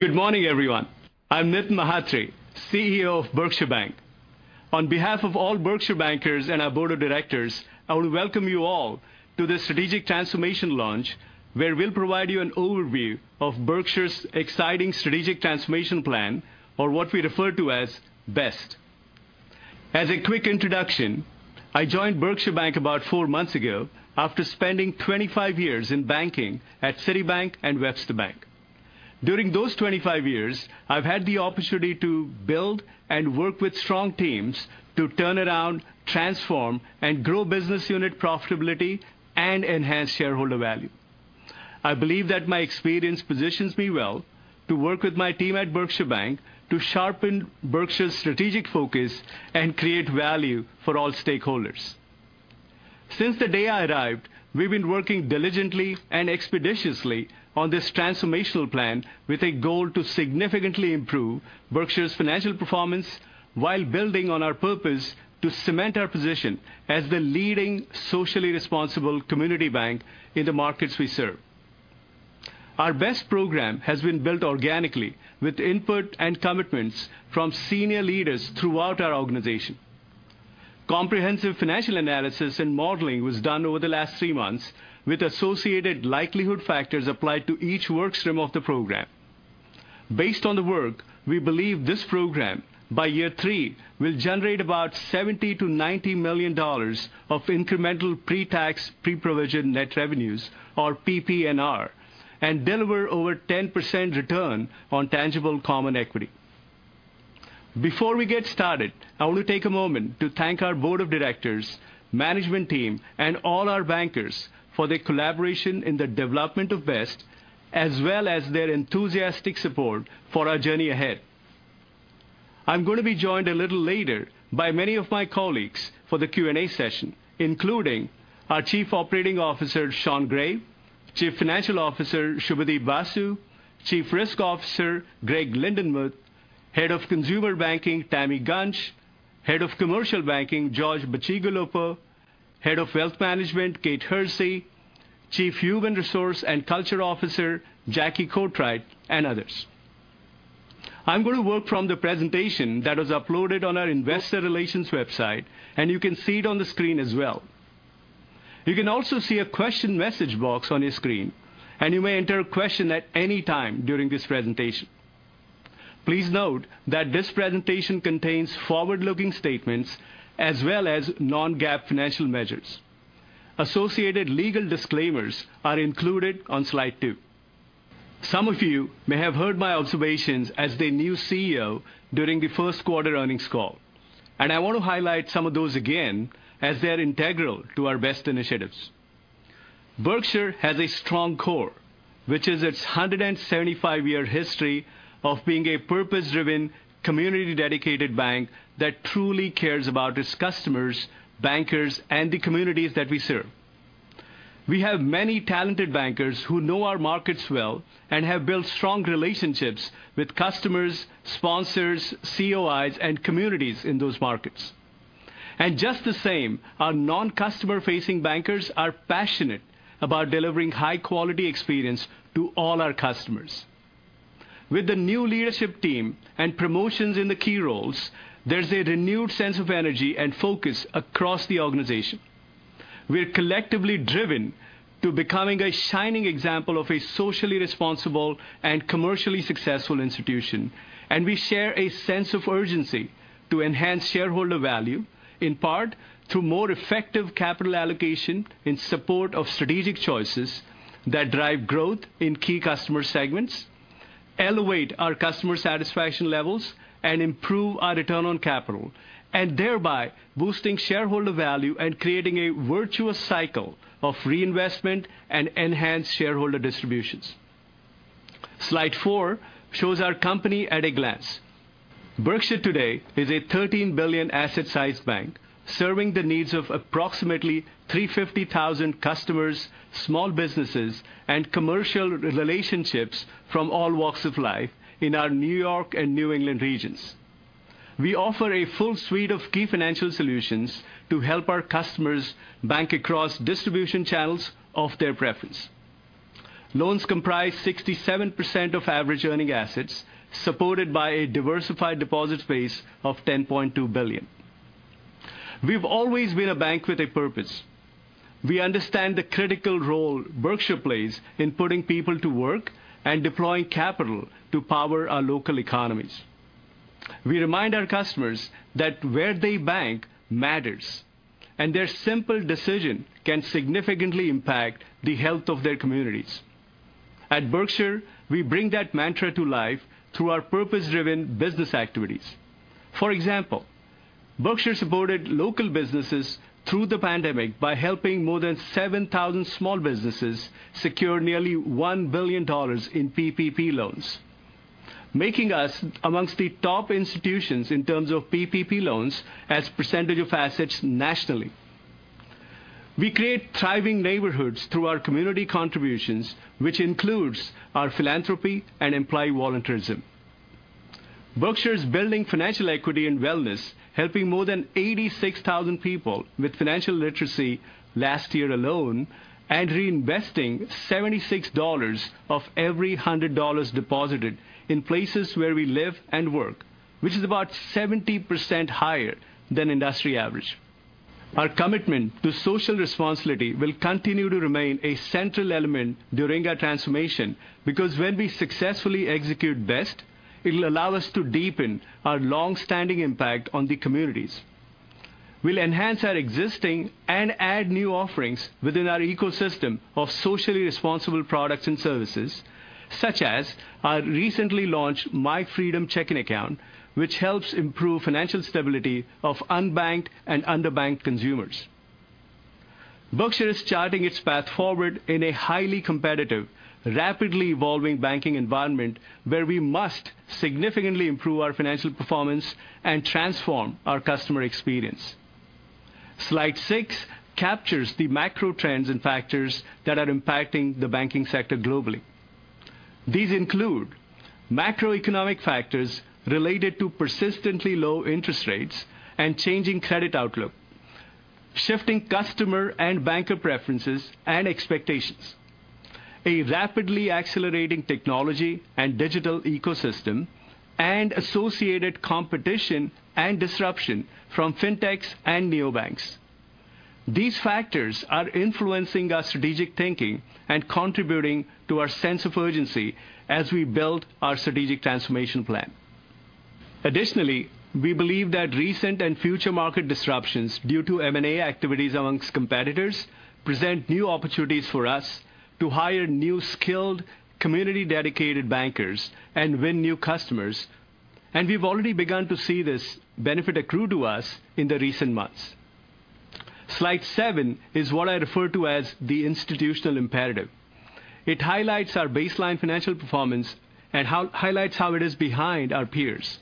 Good morning, everyone. I'm Nitin Mhatre, CEO of Berkshire Bank. On behalf of all Berkshire bankers and our board of directors, I want to welcome you all to the strategic transformation launch, where we'll provide you an overview of Berkshire's exciting strategic transformation plan or what we refer to as BEST. As a quick introduction, I joined Berkshire Bank about four months ago after spending 25 years in banking at Citibank and Webster Bank. During those 25 years, I've had the opportunity to build and work with strong teams to turn around, transform, and grow business unit profitability and enhance shareholder value. I believe that my experience positions me well to work with my team at Berkshire Bank to sharpen Berkshire's strategic focus and create value for all stakeholders. Since the day I arrived, we've been working diligently and expeditiously on this transformational plan with a goal to significantly improve Berkshire's financial performance while building on our purpose to cement our position as the leading socially responsible community bank in the markets we serve. Our BEST program has been built organically with input and commitments from senior leaders throughout our organization. Comprehensive financial analysis and modeling was done over the last three months with associated likelihood factors applied to each workstream of the program. Based on the work, we believe this program, by year three, will generate about $70 million-$90 million of incremental pre-tax, pre-provision net revenues, or PPNR, and deliver over 10% return on tangible common equity. Before we get started, I want to take a moment to thank our board of directors, management team, and all our bankers for their collaboration in the development of BEST, as well as their enthusiastic support for our journey ahead. I'm going to be joined a little later by many of my colleagues for the Q&A session, including our Chief Operating Officer, Sean Gray, Chief Financial Officer, Subhadeep Basu, Chief Risk Officer, Greg Lindenmuth, Head of Consumer Banking, Tami Gunsch, Head of Commercial Banking, George Bacigalupo, Head of Wealth Management, Kate Hersey, Chief Human Resource and Culture Officer, Jacqueline Cotwright, and others. I'm going to work from the presentation that was uploaded on our investor relations website, and you can see it on the screen as well. You can also see a question message box on your screen, and you may enter a question at any time during this presentation. Please note that this presentation contains forward-looking statements as well as non-GAAP financial measures. Associated legal disclaimers are included on Slide 2. Some of you may have heard my observations as the new CEO during the first quarter earnings call, and I want to highlight some of those again as they're integral to our BEST initiatives. Berkshire has a strong core, which is its 175-year history of being a purpose-driven, community-dedicated bank that truly cares about its customers, bankers, and the communities that we serve. We have many talented bankers who know our markets well and have built strong relationships with customers, sponsors, COIs, and communities in those markets. Just the same, our non-customer-facing bankers are passionate about delivering high-quality experience to all our customers. With the new leadership team and promotions in the key roles, there's a renewed sense of energy and focus across the organization. We're collectively driven to becoming a shining example of a socially responsible and commercially successful institution, and we share a sense of urgency to enhance shareholder value, in part through more effective capital allocation in support of strategic choices that drive growth in key customer segments, elevate our customer satisfaction levels, and improve our return on capital, and thereby boosting shareholder value and creating a virtuous cycle of reinvestment and enhanced shareholder distributions. Slide 4 shows our company at a glance. Berkshire today is a $13 billion asset size bank serving the needs of approximately 350,000 customers, small businesses, and commercial relationships from all walks of life in our New York and New England regions. We offer a full suite of key financial solutions to help our customers bank across distribution channels of their preference. Loans comprise 67% of average earning assets, supported by a diversified deposit base of $10.2 billion. We've always been a bank with a purpose. We understand the critical role Berkshire plays in putting people to work and deploying capital to power our local economies. We remind our customers that where they bank matters, and their simple decision can significantly impact the health of their communities. At Berkshire, we bring that mantra to life through our purpose-driven business activities. For example, Berkshire supported local businesses through the pandemic by helping more than 7,000 small businesses secure nearly $1 billion in PPP loans, making us amongst the top institutions in terms of PPP loans as % of assets nationally. We create thriving neighborhoods through our community contributions, which includes our philanthropy and employee volunteerism. Berkshire is building financial equity and wellness, helping more than 86,000 people with financial literacy last year alone, and reinvesting $76 of every $100 deposited in places where we live and work, which is about 70% higher than industry average. Our commitment to social responsibility will continue to remain a central element during our transformation because when we successfully execute BEST, it will allow us to deepen our longstanding impact on the communities. We'll enhance our existing and add new offerings within our ecosystem of socially responsible products and services, such as our recently launched MyFreedom checking account, which helps improve financial stability of unbanked and underbanked consumers. Berkshire is charting its path forward in a highly competitive, rapidly evolving banking environment where we must significantly improve our financial performance and transform our customer experience. Slide 6 captures the macro trends and factors that are impacting the banking sector globally. These include macroeconomic factors related to persistently low interest rates and changing credit outlook, shifting customer and banker preferences and expectations, a rapidly accelerating technology and digital ecosystem, and associated competition and disruption from fintechs and neobanks. These factors are influencing our strategic thinking and contributing to our sense of urgency as we build our strategic transformation plan. Additionally, we believe that recent and future market disruptions due to M&A activities amongst competitors present new opportunities for us to hire new skilled, community-dedicated bankers and win new customers, and we've already begun to see this benefit accrue to us in the recent months. Slide 7 is what I refer to as the institutional imperative. It highlights our baseline financial performance and highlights how it is behind our peers.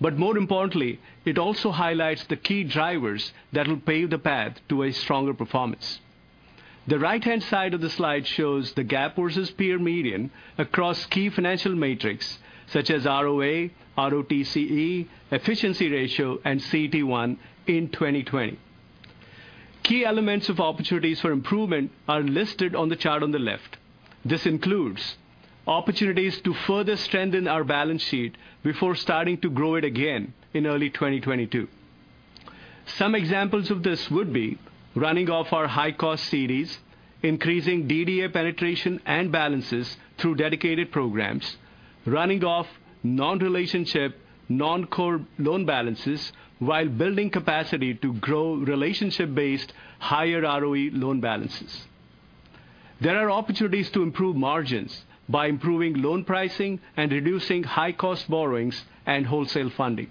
More importantly, it also highlights the key drivers that will pave the path to a stronger performance. The right-hand side of the slide shows the gap versus peer median across key financial metrics such as ROA, ROTCE, efficiency ratio, and CET1 in 2020. Key elements of opportunities for improvement are listed on the chart on the left. This includes opportunities to further strengthen our balance sheet before starting to grow it again in early 2022. Some examples of this would be running off our high-cost CDs, increasing DDA penetration and balances through dedicated programs, running off non-relationship, non-core loan balances while building capacity to grow relationship-based higher ROE loan balances. There are opportunities to improve margins by improving loan pricing and reducing high-cost borrowings and wholesale funding.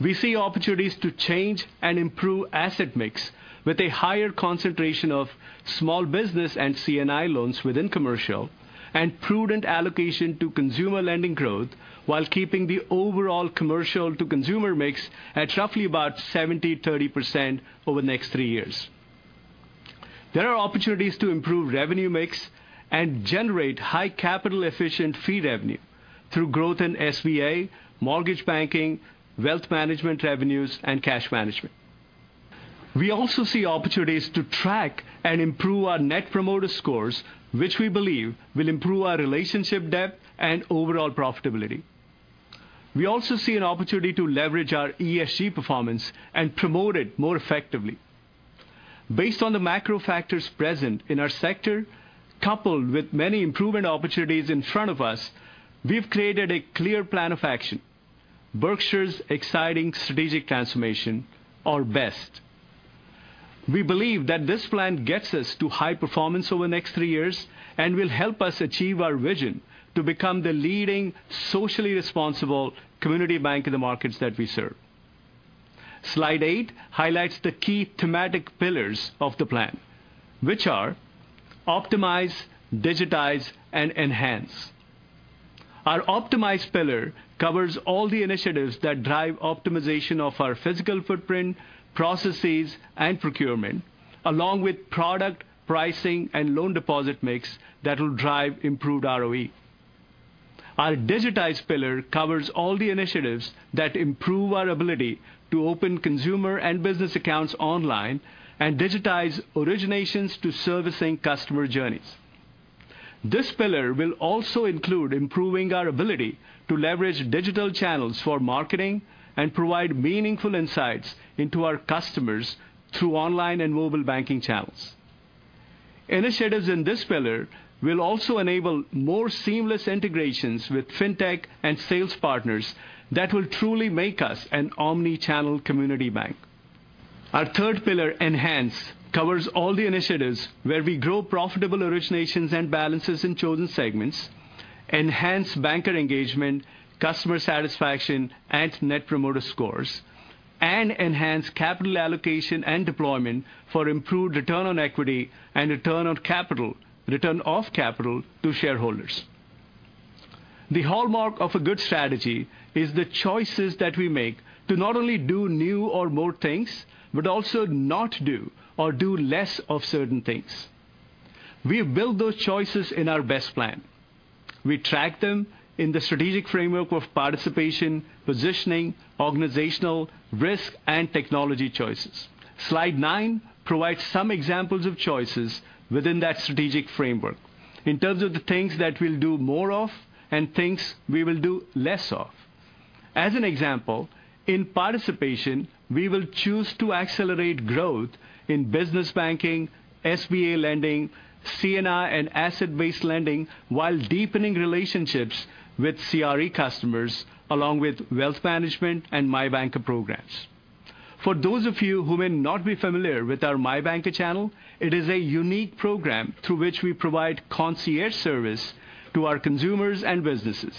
We see opportunities to change and improve asset mix with a higher concentration of small business and C&I loans within commercial, and prudent allocation to consumer lending growth while keeping the overall commercial-to-consumer mix at roughly about 70/30% over the next three years. There are opportunities to improve revenue mix and generate high capital efficient fee revenue through growth in SBA, mortgage banking, wealth management revenues, and cash management. We also see opportunities to track and improve our net promoter scores, which we believe will improve our relationship depth and overall profitability. We also see an opportunity to leverage our ESG performance and promote it more effectively. Based on the macro factors present in our sector, coupled with many improvement opportunities in front of us, we've created a clear plan of action, Berkshire's exciting strategic transformation, or BEST. We believe that this plan gets us to high performance over the next three years and will help us achieve our vision to become the leading socially responsible community bank in the markets that we serve. Slide 8 highlights the key thematic pillars of the plan, which are Optimize, Digitize, and Enhance. Our Optimize Pillar covers all the initiatives that drive optimization of our physical footprint, processes, and procurement, along with product, pricing, and loan deposit mix that will drive improved ROE. Our Digitize Pillar covers all the initiatives that improve our ability to open consumer and business accounts online and digitize originations to servicing customer journeys. This pillar will also include improving our ability to leverage digital channels for marketing and provide meaningful insights into our customers through online and mobile banking channels. Initiatives in this pillar will also enable more seamless integrations with fintech and sales partners that will truly make us an omni-channel community bank. Our third pillar, enhance, covers all the initiatives where we grow profitable originations and balances in chosen segments, enhance banker engagement, customer satisfaction, and net promoter scores, and enhance capital allocation and deployment for improved return on equity and return of capital to shareholders. The hallmark of a good strategy is the choices that we make to not only do new or more things, but also not do or do less of certain things. We build those choices in our BEST plan. We track them in the strategic framework of participation, positioning, organizational, risk, and technology choices. Slide 9 provides some examples of choices within that strategic framework in terms of the things that we'll do more of and things we will do less of. As an example, in participation, we will choose to accelerate growth in business banking, SBA lending, C&I, and asset-based lending while deepening relationships with CRE customers along with wealth management and My Banker programs. For those of you who may not be familiar with our My Banker channel, it is a unique program through which we provide concierge service to our consumers and businesses.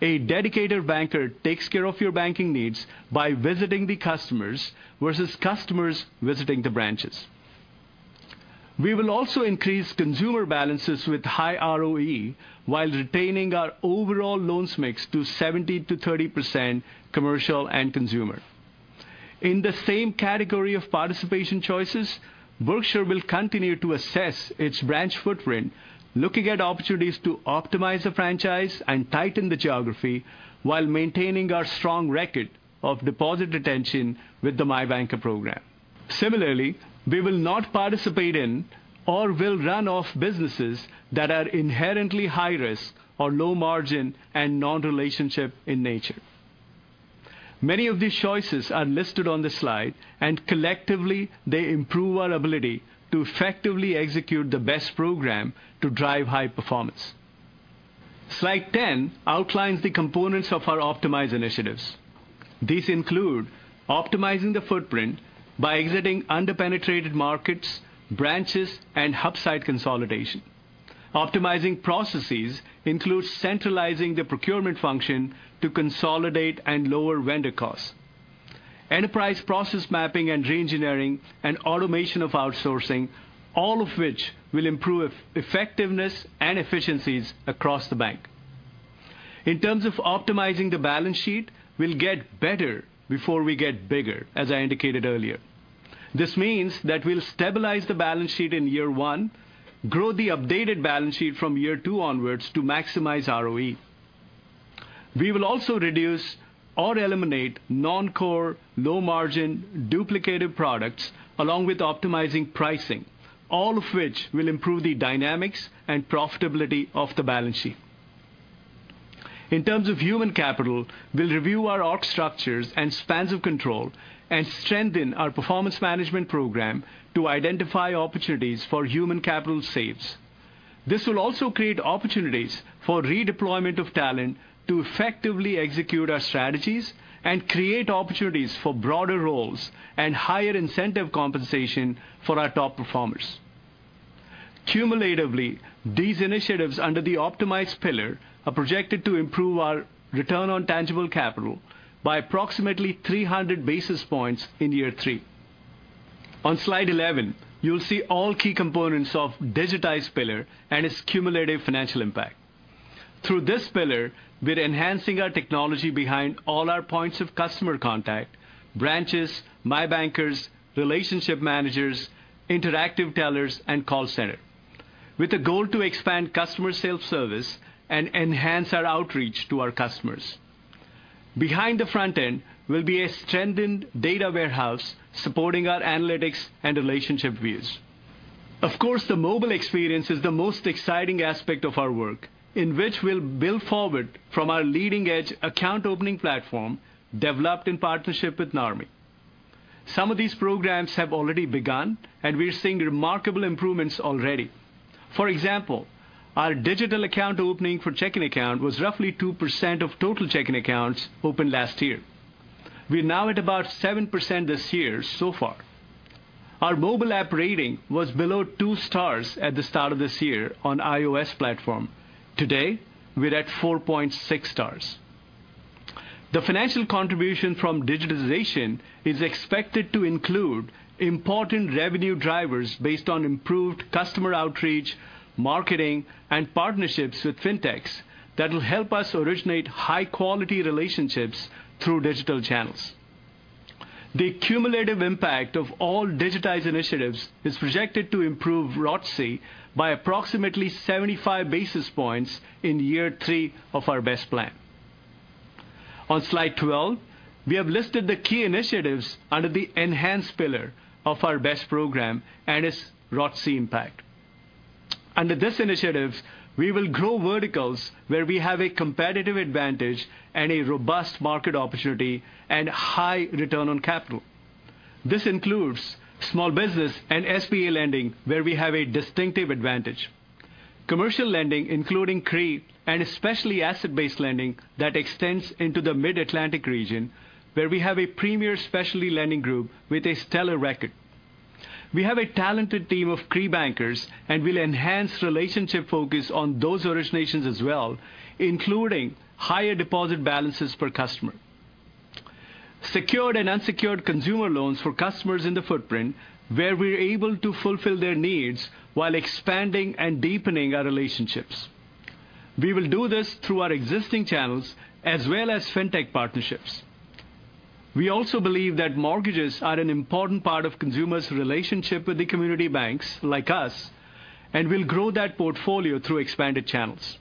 A dedicated banker takes care of your banking needs by visiting the customers versus customers visiting the branches. We will also increase consumer balances with high ROE while retaining our overall loans mix to 70% to 30% commercial and consumer. In the same category of participation choices, Berkshire will continue to assess its branch footprint, looking at opportunities to optimize the franchise and tighten the geography while maintaining our strong record of deposit retention with the My Banker program. Similarly, we will not participate in or will run off businesses that are inherently high risk or low margin and non-relationship in nature. Many of these choices are listed on the slide, and collectively they improve our ability to effectively execute the BEST program to drive high performance. Slide 10 outlines the components of our Optimize Initiatives. These include optimizing the footprint by exiting under-penetrated markets, branches, and hub site consolidation. Optimizing Processes includes centralizing the procurement function to consolidate and lower vendor costs. Enterprise process mapping and re-engineering, and automation of outsourcing, all of which will improve effectiveness and efficiencies across the bank. In terms of Optimizing the Balance Sheet, we'll get better before we get bigger, as I indicated earlier. This means that we'll stabilize the balance sheet in year one, grow the updated balance sheet from year two onwards to maximize ROE. We will also reduce or eliminate non-core, low-margin duplicative products along with optimizing pricing, all of which will improve the dynamics and profitability of the balance sheet. In terms of human capital, we'll review our org structures and spans of control and strengthen our performance management program to identify opportunities for human capital saves. This will also create opportunities for redeployment of talent to effectively execute our strategies and create opportunities for broader roles and higher incentive compensation for our top performers. Cumulatively, these initiatives under the Optimize pillar are projected to improve our return on tangible capital by approximately 300 basis points in year three. On Slide 11, you'll see all key components of Digitize pillar and its cumulative financial impact. Through this pillar, we're enhancing our technology behind all our points of customer contact, branches, My Bankers, relationship managers, interactive tellers, and call center. With a goal to expand customer self-service and enhance our outreach to our customers. Behind the front end will be a strengthened data warehouse supporting our analytics and relationship views. Of course, the mobile experience is the most exciting aspect of our work, in which we'll build forward from our leading-edge account opening platform developed in partnership with Narmi. Some of these programs have already begun. We're seeing remarkable improvements already. For example, our digital account opening for checking account was roughly 2% of total checking accounts opened last year. We're now at about 7% this year so far. Our mobile app rating was below two stars at the start of this year on iOS platform. Today, we're at 4.6 stars. The financial contribution from digitalization is expected to include important revenue drivers based on improved customer outreach, marketing, and partnerships with fintechs that will help us originate high-quality relationships through digital channels. The cumulative impact of all digitized initiatives is projected to improve ROTCE by approximately 75 basis points in year three of our BEST plan. On Slide 12, we have listed the key initiatives under the Enhance pillar of our BEST program and its ROTCE impact. Under these initiatives, we will grow verticals where we have a competitive advantage and a robust market opportunity and high return on capital. This includes small business and SBA lending, where we have a distinctive advantage. Commercial lending, including CRE and specialty asset-based lending that extends into the Mid-Atlantic region, where we have a premier specialty lending group with a stellar record. We have a talented team of CRE bankers. We'll enhance relationship focus on those originations as well, including higher deposit balances per customer. Secured and unsecured consumer loans for customers in the footprint where we're able to fulfill their needs while expanding and deepening our relationships. We will do this through our existing channels as well as fintech partnerships. We also believe that mortgages are an important part of consumers' relationship with the community banks like us. We'll grow that portfolio through expanded channels.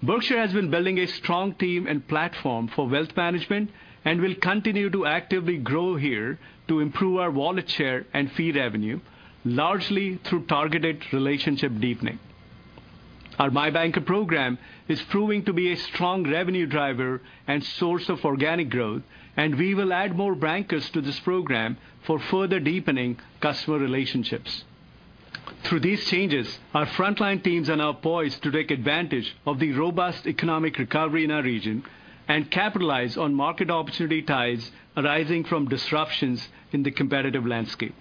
Berkshire has been building a strong team and platform for wealth management. We'll continue to actively grow here to improve our wallet share and fee revenue, largely through targeted relationship deepening. Our My Banker program is proving to be a strong revenue driver and source of organic growth. We will add more bankers to this program for further deepening customer relationships. Through these changes, our frontline teams are now poised to take advantage of the robust economic recovery in our region and capitalize on market opportunity ties arising from disruptions in the competitive landscape.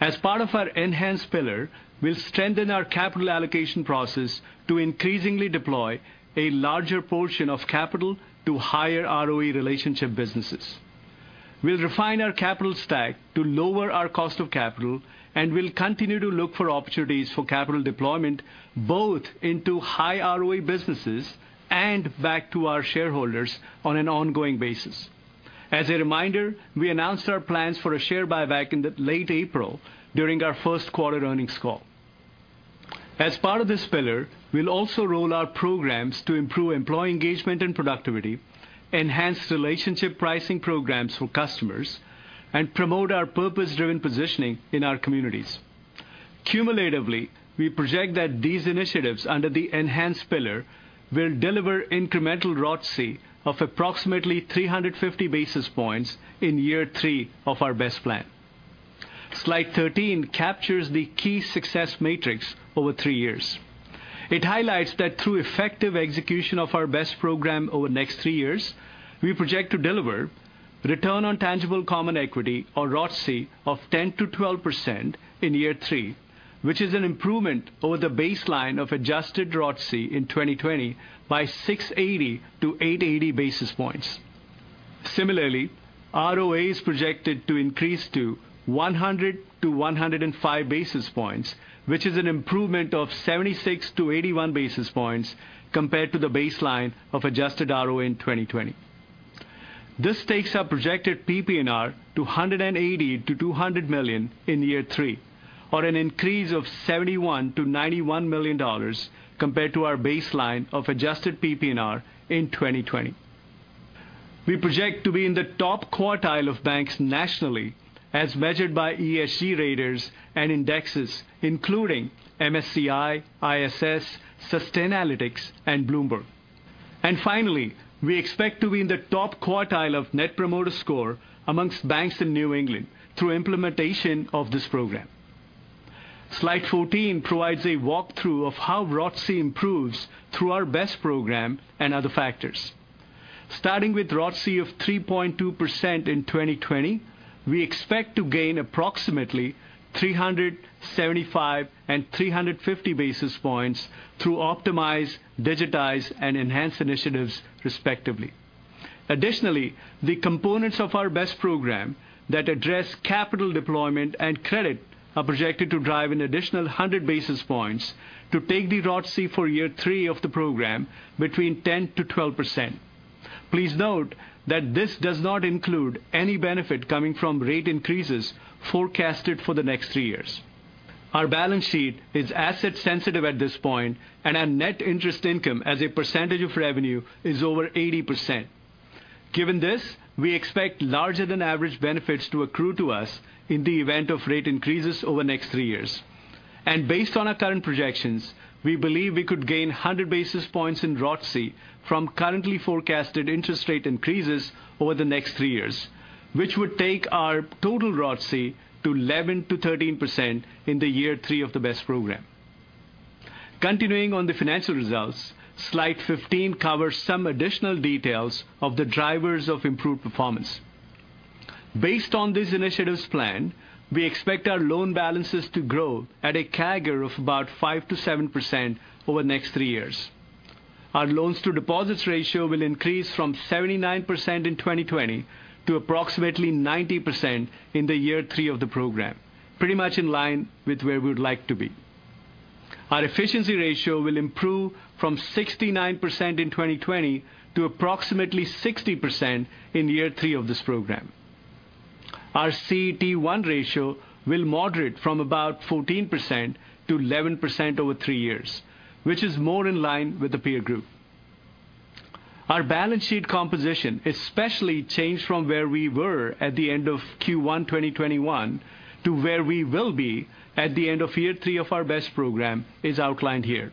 As part of our enhanced pillar, we'll strengthen our capital allocation process to increasingly deploy a larger portion of capital to higher ROE relationship businesses. We'll refine our capital stack to lower our cost of capital, and we'll continue to look for opportunities for capital deployment, both into high ROE businesses and back to our shareholders on an ongoing basis. As a reminder, we announced our plans for a share buyback in late April during our first quarter earnings call. As part of this pillar, we'll also roll out programs to improve employee engagement and productivity, enhance relationship pricing programs for customers, and promote our purpose-driven positioning in our communities. Cumulatively, we project that these initiatives under the enhance pillar will deliver incremental ROTCE of approximately 350 basis points in year three of our BEST plan. Slide 13 captures the key success metrics over three years. It highlights that through effective execution of our BEST program over the next three years, we project to deliver return on tangible common equity or ROTCE of 10%-12% in year three, which is an improvement over the baseline of adjusted ROTCE in 2020 by 680-880 basis points. Similarly, ROA is projected to increase to 100-105 basis points, which is an improvement of 76-81 basis points compared to the baseline of adjusted ROA in 2020. This takes our projected PPNR to $180 million-$200 million in year three, or an increase of $71 million-$91 million compared to our baseline of adjusted PPNR in 2020. We project to be in the top quartile of banks nationally, as measured by ESG raters and indexes, including MSCI, ISS, Sustainalytics, and Bloomberg. Finally, we expect to be in the top quartile of net promoter score amongst banks in New England through implementation of this program. Slide 14 provides a walkthrough of how ROTCE improves through our BEST program and other factors. Starting with ROTCE of 3.2% in 2020, we expect to gain approximately 375 and 350 basis points through optimize, digitize, and enhance initiatives respectively. Additionally, the components of our BEST program that address capital deployment and credit are projected to drive an additional 100 basis points to take the ROTCE for year three of the program between 10%-12%. Please note that this does not include any benefit coming from rate increases forecasted for the next three years. Our balance sheet is asset sensitive at this point, and our net interest income as a percentage of revenue is over 80%. Given this, we expect larger than average benefits to accrue to us in the event of rate increases over the next three years. Based on our current projections, we believe we could gain 100 basis points in ROTCE from currently forecasted interest rate increases over the next three years, which would take our total ROTCE to 11%-13% in the year three of the BEST program. Continuing on the financial results, Slide 15 covers some additional details of the drivers of improved performance. Based on these initiatives planned, we expect our loan balances to grow at a CAGR of about 5%-7% over the next three years. Our loans to deposits ratio will increase from 79% in 2020 to approximately 90% in the year three of the program, pretty much in line with where we'd like to be. Our efficiency ratio will improve from 69% in 2020 to approximately 60% in year three of this program. Our CET1 ratio will moderate from about 14% to 11% over three years, which is more in line with the peer group. Our balance sheet composition, especially changed from where we were at the end of Q1 2021 to where we will be at the end of year three of our BEST Program, is outlined here.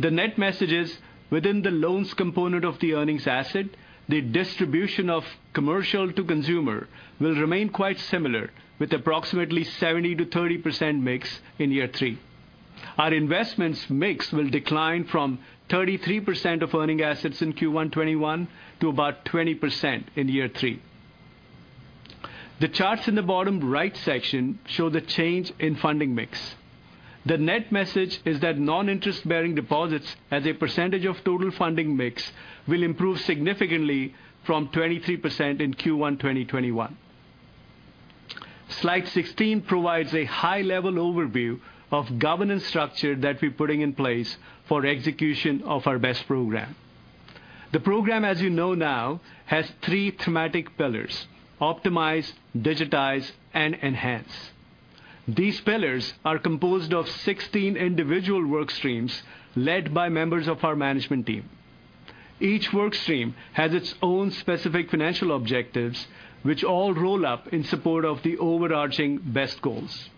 The net message is within the loans component of the earnings asset, the distribution of commercial to consumer will remain quite similar with approximately 70 to 30% mix in year three. Our investments mix will decline from 33% of earning assets in Q1 2021 to about 20% in year three. The charts in the bottom right section show the change in funding mix. The net message is that non-interest-bearing deposits as a percentage of total funding mix will improve significantly from 23% in Q1 2021. Slide 16 provides a high-level overview of governance structure that we're putting in place for execution of our BEST program. The program, as you know now, has three thematic pillars, optimize, digitize, and enhance. These pillars are composed of 16 individual work streams led by members of our management team. Each work stream has its own specific financial objectives, which all roll up in support of the overarching BEST goals.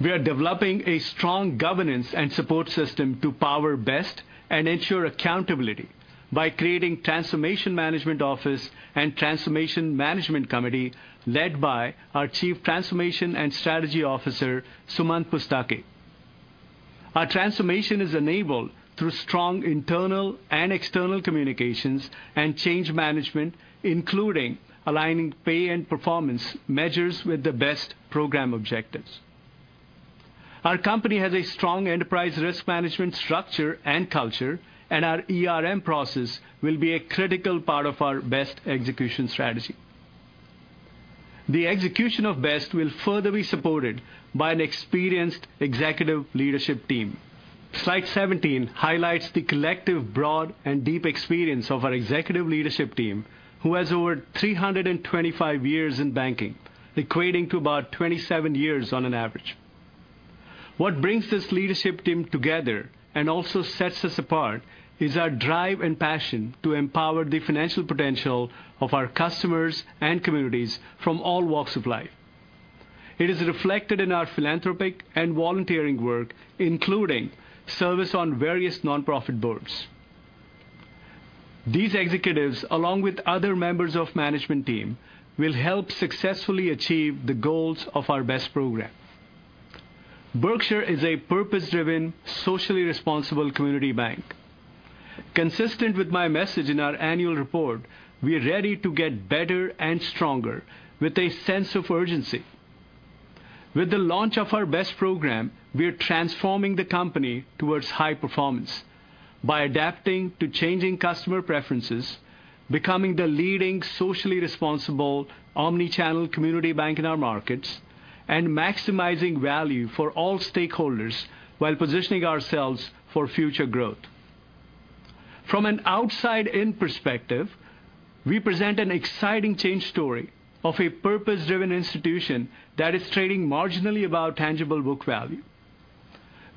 We are developing a strong governance and support system to power BEST and ensure accountability by creating Transformation Management Office and Transformation Management Committee led by our Chief Transformation and Strategy Officer, Sumant Pustake. Our transformation is enabled through strong internal and external communications and change management, including aligning pay and performance measures with the BEST program objectives. Our company has a strong Enterprise Risk Management structure and culture, and our ERM process will be a critical part of our BEST execution strategy. The execution of BEST will further be supported by an experienced executive leadership team. Slide 17 highlights the collective broad and deep experience of our executive leadership team, who has over 325 years in banking, equating to about 27 years on an average. What brings this leadership team together and also sets us apart is our drive and passion to empower the financial potential of our customers and communities from all walks of life. It is reflected in our philanthropic and volunteering work, including service on various nonprofit boards. These executives, along with other members of management team, will help successfully achieve the goals of our BEST program. Berkshire is a purpose-driven, socially responsible community bank. Consistent with my message in our annual report, we are ready to get better and stronger with a sense of urgency. With the launch of our BEST program, we are transforming the company towards high performance by adapting to changing customer preferences, becoming the leading socially responsible omni-channel community bank in our markets, and maximizing value for all stakeholders while positioning ourselves for future growth. From an outside-in perspective, we present an exciting change story of a purpose-driven institution that is trading marginally above tangible book value.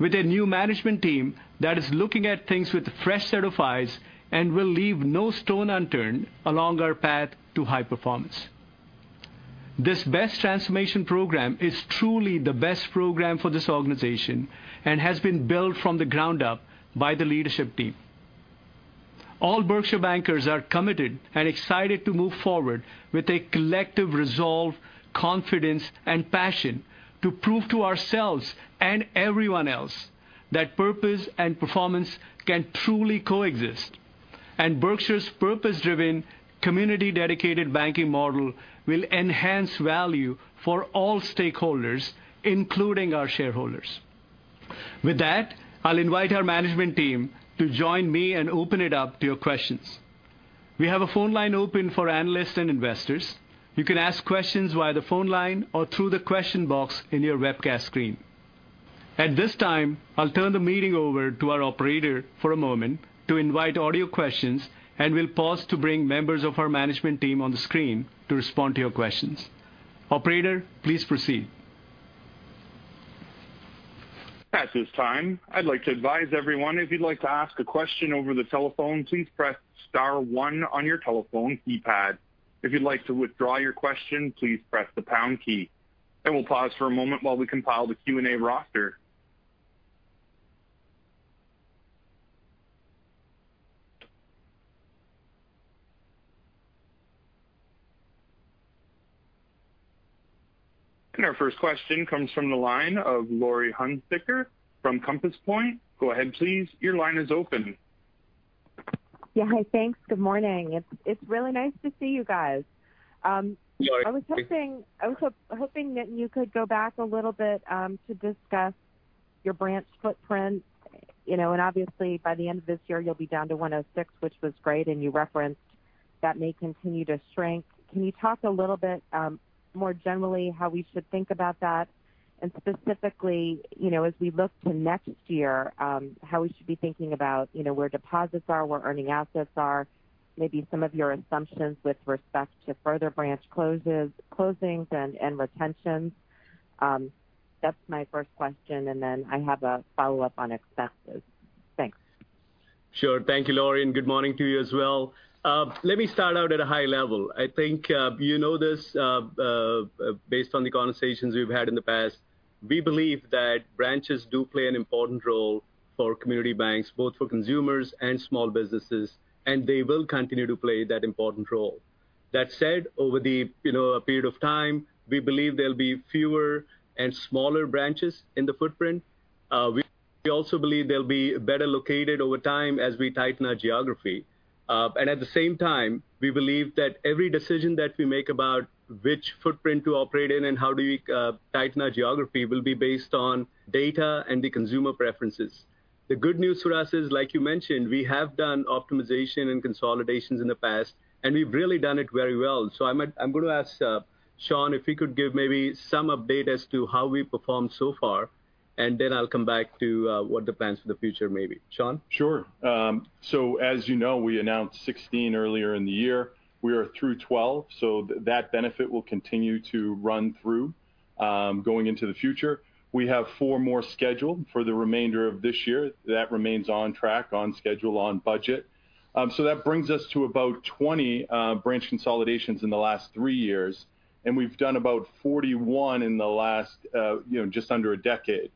With a new management team that is looking at things with a fresh set of eyes and will leave no stone unturned along our path to high performance. This BEST Transformation Program is truly the best program for this organization and has been built from the ground up by the leadership team. All Berkshire bankers are committed and excited to move forward with a collective resolve, confidence, and passion to prove to ourselves and everyone else that purpose and performance can truly coexist. Berkshire's purpose-driven, community-dedicated banking model will enhance value for all stakeholders, including our shareholders. With that, I'll invite our management team to join me and open it up to your questions. We have a phone line open for analysts and investors. You can ask questions via the phone line or through the question box in your webcast screen. At this time, I'll turn the meeting over to our operator for a moment to invite audio questions, and we'll pause to bring members of our management team on the screen to respond to your questions. Operator, please proceed. At this time, I'd like to advise everyone, if you'd like to ask a question over the telephone, please press star one on your telephone keypad. If you'd like to withdraw your question, please press the pound key. We'll pause for a moment while we compile the Q&A roster. Our first question comes from the line of Laurie Hunsicker from Compass Point. Go ahead, please. Your line is open. Yeah. Thanks. Good morning. It's really nice to see you guys. Yeah. I was hoping that you could go back a little bit to discuss your branch footprint. Obviously by the end of this year, you'll be down to 106, which was great, and you referenced that may continue to shrink. Can you talk a little bit more generally how we should think about that? Specifically, as we look to next year, how we should be thinking about where deposits are, where earning assets are, maybe some of your assumptions with respect to further branch closings and retentions? That's my first question, and then I have a follow-up on expenses. Thanks. Sure. Thank you, Laurie, and good morning to you as well. Let me start out at a high level. I think you know this based on the conversations we've had in the past. We believe that branches do play an important role for community banks, both for consumers and small businesses, and they will continue to play that important role. That said, over a period of time, we believe there'll be fewer and smaller branches in the footprint. We also believe they'll be better located over time as we tighten our geography. At the same time, we believe that every decision that we make about which footprint to operate in and how do we tighten our geography will be based on data and the consumer preferences. The good news for us is, like you mentioned, we have done optimization and consolidations in the past. We've really done it very well. I'm going to ask Sean if he could give maybe some update as to how we performed so far. Then I'll come back to what the plans for the future may be. Sean? Sure. As you know, we announced 16 earlier in the year. We are through 12, that benefit will continue to run through going into the future. We have four more scheduled for the remainder of this year. That remains on track, on schedule, on budget. That brings us to about 20 branch consolidations in the last three years, and we've done about 41 in just under a decade.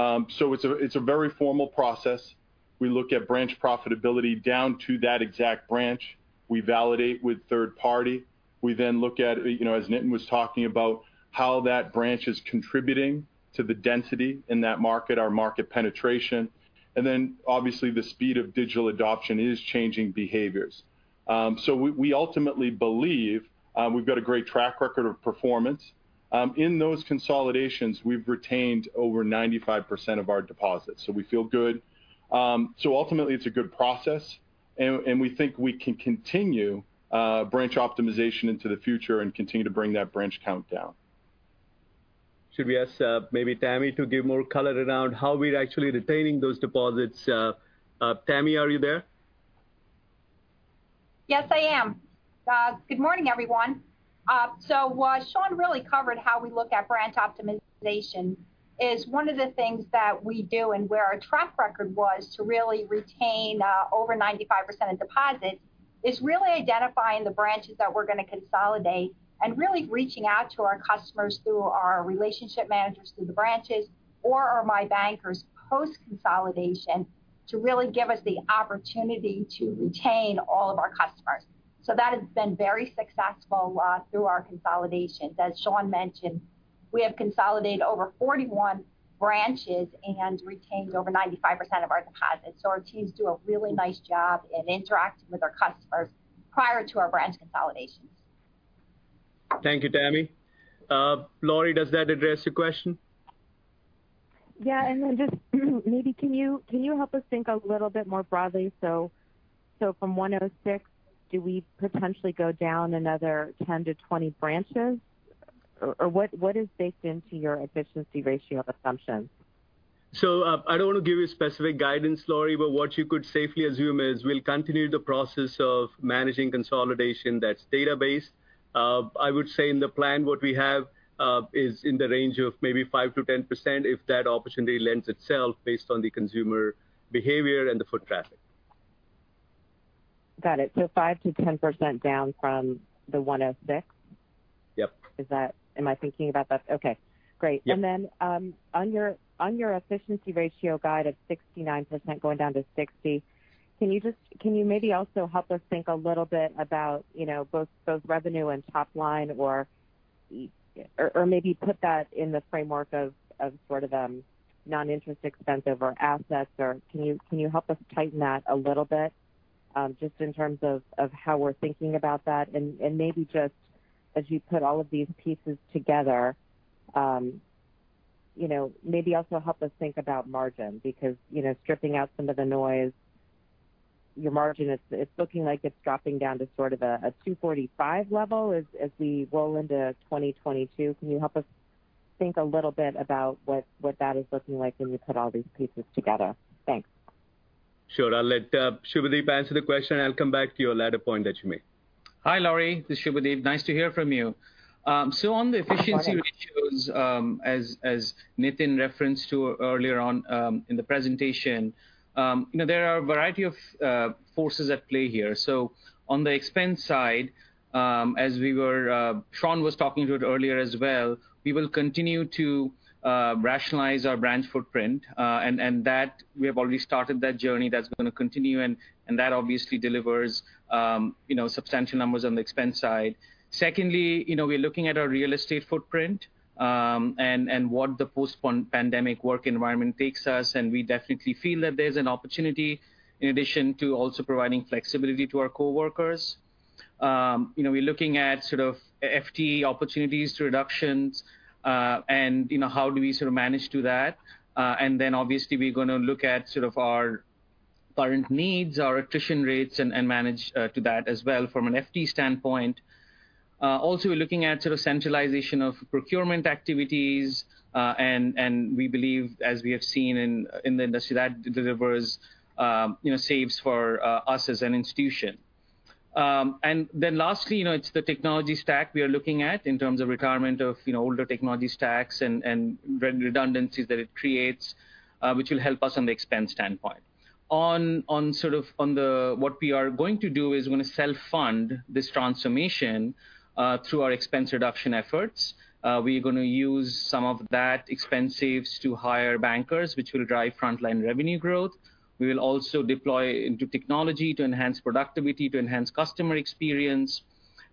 It's a very formal process. We look at branch profitability down to that exact branch. We validate with third party. We then look at, as Nitin was talking about, how that branch is contributing to the density in that market, our market penetration, and then obviously the speed of digital adoption is changing behaviors. We ultimately believe we've got a great track record of performance. In those consolidations, we've retained over 95% of our deposits, so we feel good. Ultimately it's a good process, and we think we can continue branch optimization into the future and continue to bring that branch count down. Should we ask maybe Tami to give more color around how we're actually retaining those deposits? Tami, are you there? Yes, I am. Good morning, everyone. Sean really covered how we look at branch optimization is one of the things that we do and where our track record was to really retain over 95% of deposits is really identifying the branches that we're going to consolidate and really reaching out to our customers through our relationship managers through the branches or our My Bankers post consolidation to really give us the opportunity to retain all of our customers. That has been very successful through our consolidation. As Sean mentioned, we have consolidated over 41 branches and retained over 95% of our deposits. Our teams do a really nice job in interacting with our customers prior to our branch consolidations. Thank you, Tami. Laurie, does that address your question? Yeah. Just maybe can you help us think a little bit more broadly? From 106, do we potentially go down another 10 to 20 branches? What is baked into your efficiency ratio assumption? I don't want to give you specific guidance, Laurie, but what you could safely assume is we'll continue the process of managing consolidation that's data based. I would say in the plan, what we have is in the range of maybe 5%-10% if that opportunity lends itself based on the consumer behavior and the foot traffic. Got it. 5%-10% down from the 106? Yep. Am I thinking about that? Okay, great. Yeah. On your efficiency ratio guide of 69% going down to 60%, can you maybe also help us think a little bit about both revenue and top line or maybe put that in the framework of sort of non-interest expense over assets, or can you help us tighten that a little bit just in terms of how we're thinking about that? Maybe just as you put all of these pieces together, maybe also help us think about margin because stripping out some of the noise, your margin is looking like it's dropping down to sort of a 245 level as we roll into 2022. Can you help us think a little bit about what that is looking like when you put all these pieces together? Thanks. Sure. I'll let Subhadeep answer the question, and I'll come back to your latter point that you make. Hi, Laurie. This is Subhadeep. Nice to hear from you. On the efficiency ratios as Nitin referenced to earlier on in the presentation, there are a variety of forces at play here. On the expense side, as Sean was talking about earlier as well, we will continue to rationalize our branch footprint, and we have already started that journey. That's going to continue, and that obviously delivers substantial numbers on the expense side. Secondly, we're looking at our real estate footprint, and where the post-pandemic work environment takes us, and we definitely feel that there's an opportunity in addition to also providing flexibility to our coworkers. We're looking at sort of FTE opportunities reductions, and how do we sort of manage to that. Obviously we're going to look at sort of our current needs, our attrition rates, and manage to that as well from an FTE standpoint. We're looking at sort of centralization of procurement activities, and we believe as we have seen in the industry, that delivers saves for us as an institution. Lastly, it's the technology stack we are looking at in terms of requirement of older technology stacks and the redundancy that it creates, which will help us on the expense standpoint. We are going to self-fund this transformation through our expense reduction efforts. We're going to use some of that expense saves to hire bankers, which will drive frontline revenue growth. We'll also deploy into technology to enhance productivity, to enhance customer experience.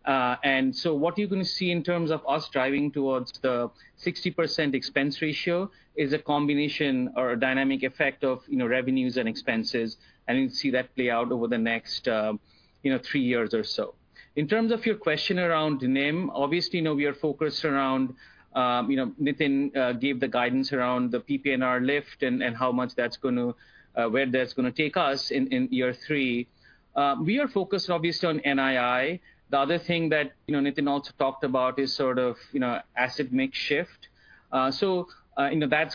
What you're going to see in terms of us driving towards the 60% expense ratio is a combination or a dynamic effect of revenues and expenses, and you'll see that play out over the next three years or so. In terms of your question around NIM, obviously, we are focused around Nitin gave the guidance around the PPNR lift and where that's going to take us in year three. We are focused obviously on NII. The other thing that Nitin also talked about is sort of asset mix shift. That's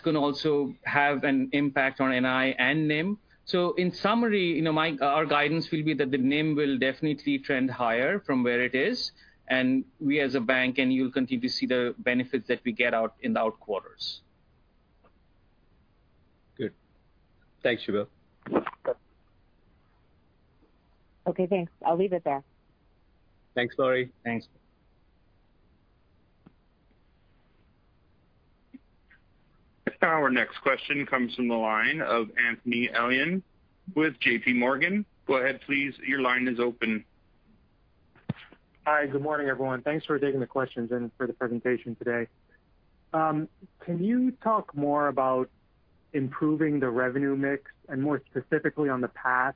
going to also have an impact on NII and NIM. In summary, our guidance will be that the NIM will definitely trend higher from where it is, and we as a bank, and you'll continue to see the benefits that we get out in the out quarters. Good. Thanks, Subha. Okay, thanks. I'll leave it there. Thanks, Laurie. Thanks. Our next question comes from the line of Anthony Elian with J.P. Morgan. Hi. Good morning, everyone. Thanks for taking the questions and for the presentation today. Can you talk more about improving the revenue mix and more specifically on the path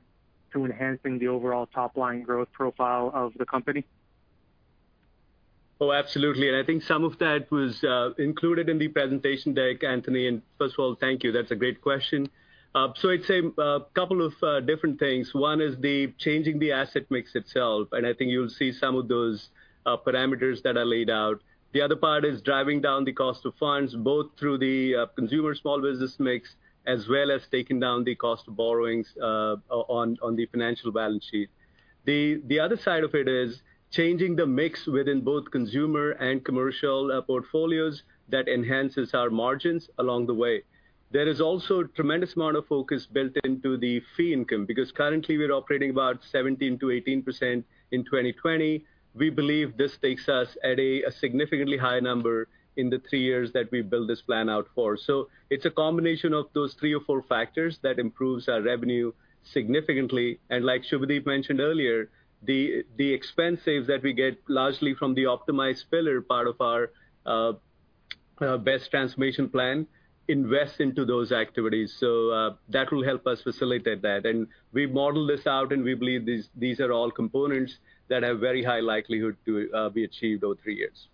to enhancing the overall top-line growth profile of the company? Oh, absolutely. I think some of that was included in the presentation deck, Anthony, and first of all, thank you. That's a great question. I'd say a couple of different things. One is the changing the asset mix itself, and I think you'll see some of those parameters that I laid out. The other part is driving down the cost of funds, both through the consumer small business mix, as well as taking down the cost of borrowings on the financial balance sheet. The other side of it is changing the mix within both consumer and commercial portfolios that enhances our margins along the way. There is also a tremendous amount of focus built into the fee income because currently we're operating about 17%-18% in 2020. We believe this takes us at a significantly high number in the three years that we build this plan out for. It's a combination of those three or four factors that improves our revenue significantly. Like Subhadeep mentioned earlier, the expense saves that we get largely from the optimized pillar part of our BEST transformation plan invest into those activities. That will help us facilitate that. We model this out, and we believe these are all components that have very high likelihood to be achieved over three years.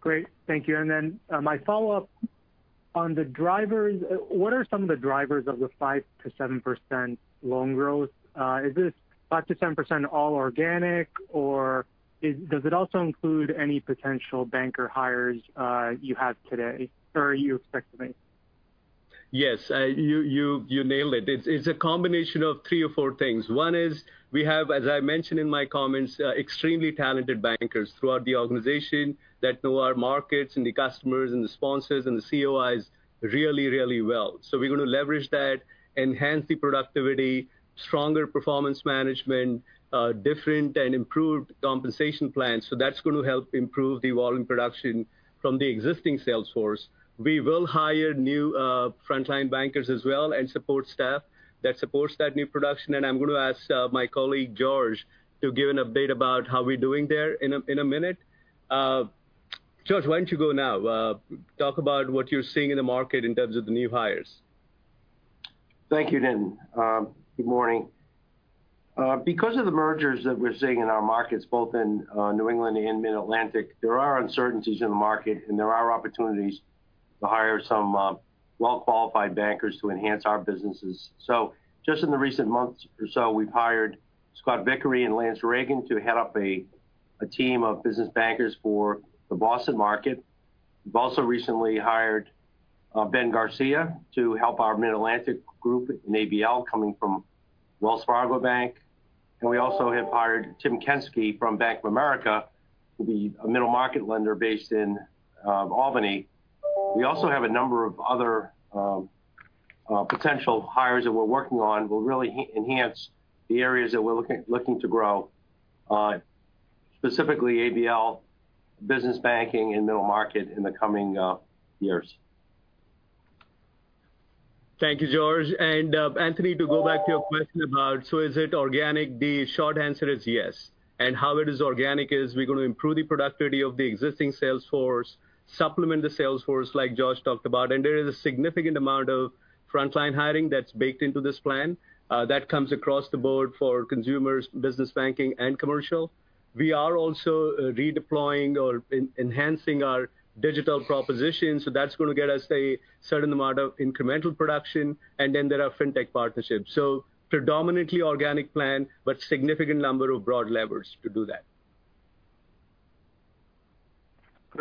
Great. Thank you. My follow-up on the drivers, what are some of the drivers of the 5%-7% loan growth? Is this 5%-10% all organic, or does it also include any potential banker hires you have today, or you expect to make? Yes, you nail it. It's a combination of three or four things. One is we have, as I mentioned in my comments, extremely talented bankers throughout the organization that know our markets and the customers and the sponsors and the COIs really well. We're going to leverage that, enhance the productivity, stronger performance management, different and improved compensation plans. That's going to help improve the volume production from the existing sales force. We will hire new frontline bankers as well and support staff that supports that new production. I'm going to ask my colleague, George, to give an update about how we're doing there in a minute. George, why don't you go now? Talk about what you're seeing in the market in terms of the new hires. Thank you, Nitin. Good morning. Because of the mergers that we're seeing in our markets, both in New England and Mid-Atlantic, there are uncertainties in the market, and there are opportunities to hire some well-qualified bankers to enhance our businesses. Just in the recent months or so, we've hired Scott Vickery and Lance Reagan to head up a team of business bankers for the Boston market. We've also recently hired Ben Garcia to help our Mid-Atlantic group in ABL coming from Wells Fargo Bank. We also have hired Tim Kenskie from Bank of America to be a middle-market lender based in Albany. We also have a number of other potential hires that we're working on. We'll really enhance the areas that we're looking to grow, specifically ABL business banking in middle market in the coming years. Thank you, George. Anthony, to go back to your question about is it organic? The short answer is yes. How it is organic is we're going to improve the productivity of the existing sales force, supplement the sales force like George talked about. There is a significant amount of frontline hiring that's baked into this plan that comes across the board for consumers, business banking, and commercial. We are also redeploying or enhancing our digital proposition. That's going to get us a certain amount of incremental production. There are fintech partnerships. Predominantly organic plan, but significant number of broad levers to do that.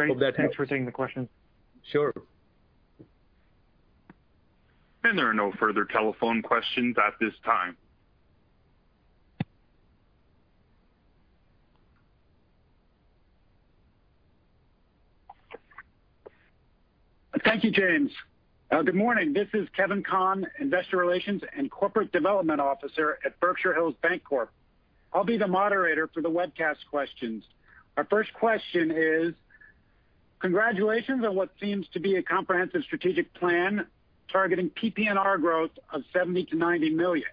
Great. Thanks for taking the question. Sure. There are no further telephone questions at this time. Thank you, James. Good morning. This is Kevin Conn, Investor Relations and Corporate Development Officer at Berkshire Hills Bancorp. I'll be the moderator for the webcast questions. Our first question is, congratulations on what seems to be a comprehensive strategic plan targeting PPNR growth of $70 million-$90 million.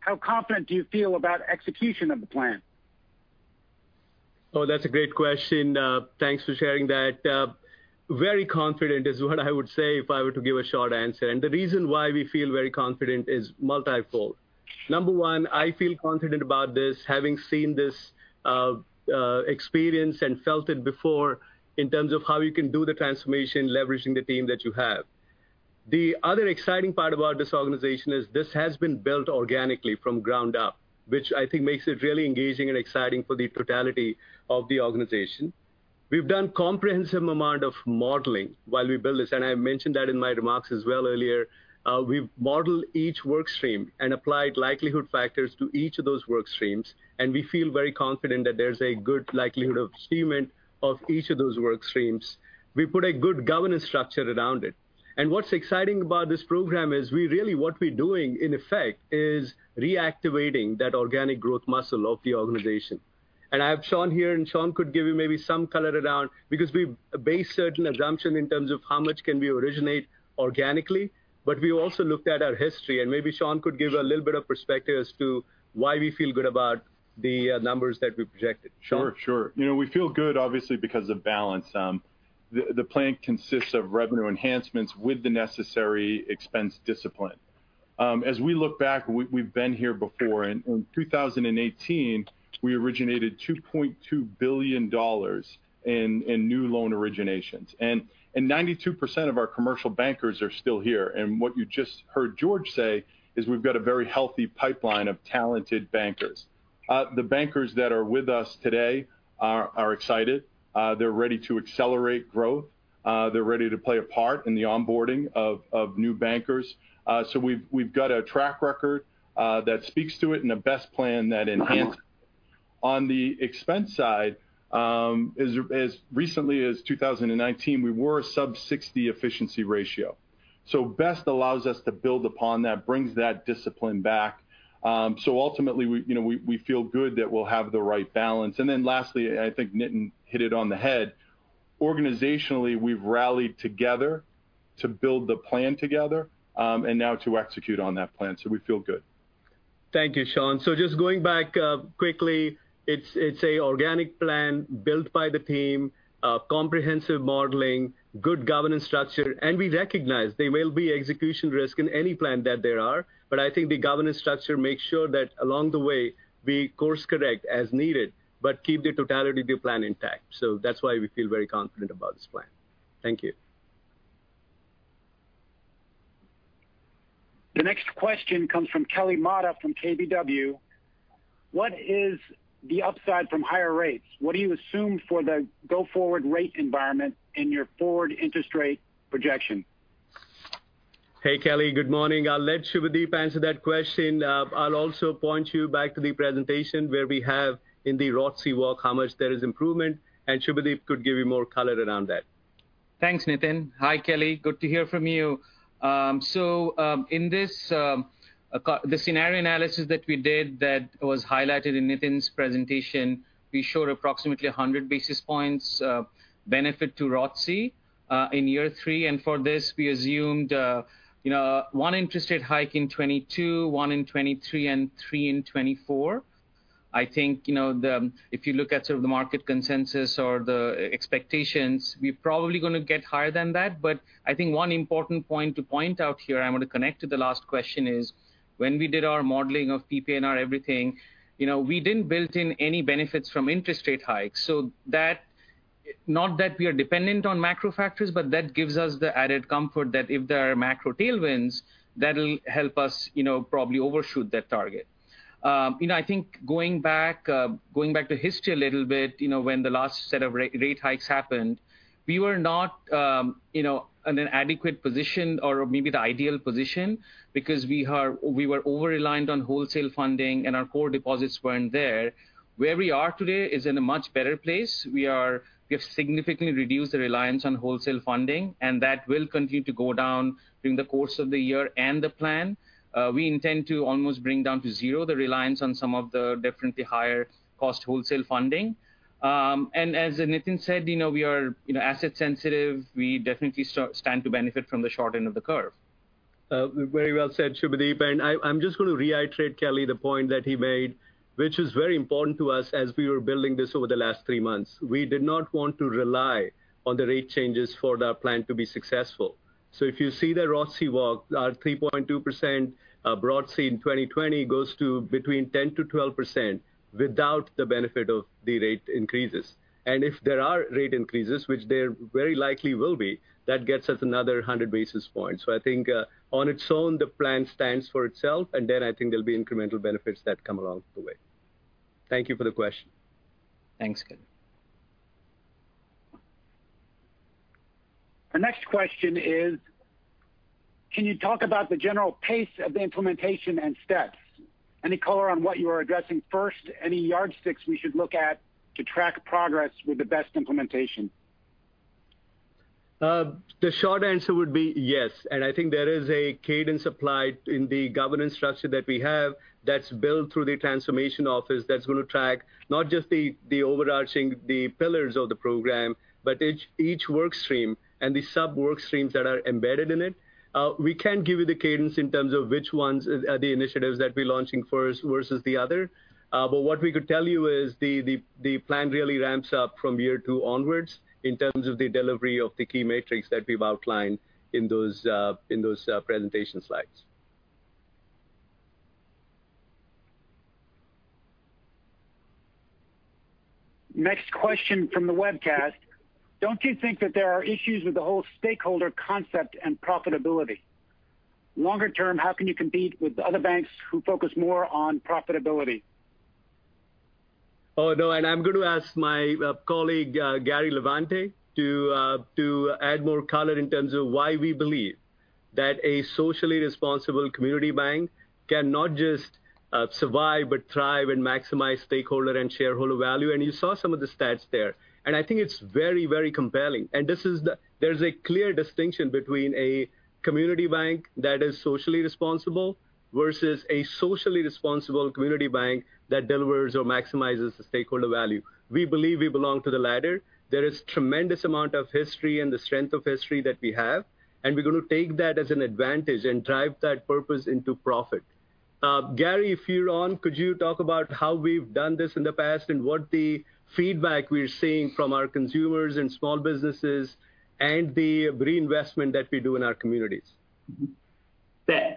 How confident do you feel about execution of the plan? Oh, that's a great question. Thanks for sharing that. Very confident is what I would say if I were to give a short answer. The reason why we feel very confident is multifold. Number one, I feel confident about this, having seen this experience and felt it before in terms of how you can do the transformation, leveraging the team that you have. The other exciting part about this organization is this has been built organically from ground up, which I think makes it really engaging and exciting for the totality of the organization. We've done comprehensive amount of modeling while we build this, and I mentioned that in my remarks as well earlier. We've modeled each work stream and applied likelihood factors to each of those work streams, and we feel very confident that there's a good likelihood of achievement of each of those work streams. We put a good governance structure around it. What's exciting about this program is we're doing, in effect, is reactivating that organic growth muscle of the organization. I have Sean here, and Sean could give you maybe some color around because we base certain assumptions in terms of how much can we originate organically. We also looked at our history, and maybe Sean could give a little bit of perspective as to why we feel good about the numbers that we projected. Sean? Sure. We feel good obviously because of balance. The plan consists of revenue enhancements with the necessary expense discipline. As we look back, we've been here before. In 2018, we originated $2.2 billion in new loan originations. 92% of our commercial bankers are still here. What you just heard George say is we've got a very healthy pipeline of talented bankers. The bankers that are with us today are excited. They're ready to accelerate growth. They're ready to play a part in the onboarding of new bankers. We've got a track record that speaks to it and a BEST plan that enhance. On the expense side, as recently as 2019, we were a sub 60 efficiency ratio. BEST allows us to build upon that, brings that discipline back. Ultimately we feel good that we'll have the right balance. Lastly, I think Nitin hit it on the head. Organizationally, we've rallied together to build the plan together, and now to execute on that plan. We feel good. Thank you, Sean. Just going back quickly, it's a organic plan built by the team, comprehensive modeling, good governance structure. We recognize there will be execution risk in any plan that there are. I think the governance structure makes sure that along the way we course correct as needed, but keep the totality of the plan intact. That's why we feel very confident about this plan. Thank you. The next question comes from Kelly Motta from KBW. What is the upside from higher rates? What do you assume for the go forward rate environment in your forward interest rate projection? Hey, Kelly, good morning. I'll let Subhadeep answer that question. I'll also point you back to the presentation where we have in the ROTCE work how much there is improvement, and Subhadeep could give you more color around that. Thanks, Nitin. Hi, Kelly. Good to hear from you. In this the scenario analysis that we did that was highlighted in Nitin's presentation, we showed approximately 100 basis points benefit to ROTCE in year three. For this we assumed one interest rate hike in 2022, one in 2023, and three in 2024. I think if you look at sort of the market consensus or the expectations, we're probably going to get higher than that. I think one important point to point out here I'm going to connect to the last question is when we did our modeling of P&L everything, we didn't build in any benefits from interest rate hikes. Not that we are dependent on macro factors, but that gives us the added comfort that if there are macro tailwinds, that'll help us probably overshoot that target. I think going back to history a little bit when the last set of rate hikes happened, we were not in an adequate position or maybe the ideal position because we were over-reliant on wholesale funding, and our core deposits weren't there. Where we are today is in a much better place. We have significantly reduced the reliance on wholesale funding, and that will continue to go down during the course of the year and the plan. We intend to almost bring down to zero the reliance on some of the definitely higher cost wholesale funding. As Nitin said, we are asset sensitive. We definitely stand to benefit from the short end of the curve. Very well said, Subhadeep. I'm just going to reiterate, Kelly the point that he made, which is very important to us as we were building this over the last three months. We did not want to rely on the rate changes for our plan to be successful. If you see the ROTCE work, our 3.2% ROTCE in 2020 goes to between 10%-12% without the benefit of the rate increases. If there are rate increases, which there very likely will be, that gets us another 100 basis points. I think on its own the plan stands for itself, and then I think there'll be incremental benefits that come along the way. Thank you for the question. Thanks. The next question is, can you talk about the general pace of implementation and steps? Any color on what you are addressing first? Any yardsticks we should look at to track progress with the BEST implementation? The short answer would be yes. I think there is a cadence applied in the governance structure that we have that's built through the Transformation Office that's going to track not just the overarching pillars of the program, but each work stream and the sub-work streams that are embedded in it. We can't give you the cadence in terms of which ones are the initiatives that we're launching first versus the other. What we could tell you is the plan really ramps up from year two onwards in terms of the delivery of the key metrics that we've outlined in those presentation slides. Next question from the webcast: don't you think that there are issues with the whole stakeholder concept and profitability? Longer term, how can you compete with other banks who focus more on profitability? Oh, no, I'm going to ask my colleague, Gary Levante, to add more color in terms of why we believe that a socially responsible community bank can not just survive but thrive and maximize stakeholder and shareholder value. You saw some of the stats there, and I think it's very, very compelling. There's a clear distinction between a community bank that is socially responsible versus a socially responsible community bank that delivers or maximizes the stakeholder value. We believe we belong to the latter. There is tremendous amount of history and the strength of history that we have, and we're going to take that as an advantage and drive that purpose into profit. Gary, if you're on, could you talk about how we've done this in the past and what the feedback we're seeing from our consumers and small businesses and the reinvestment that we do in our communities?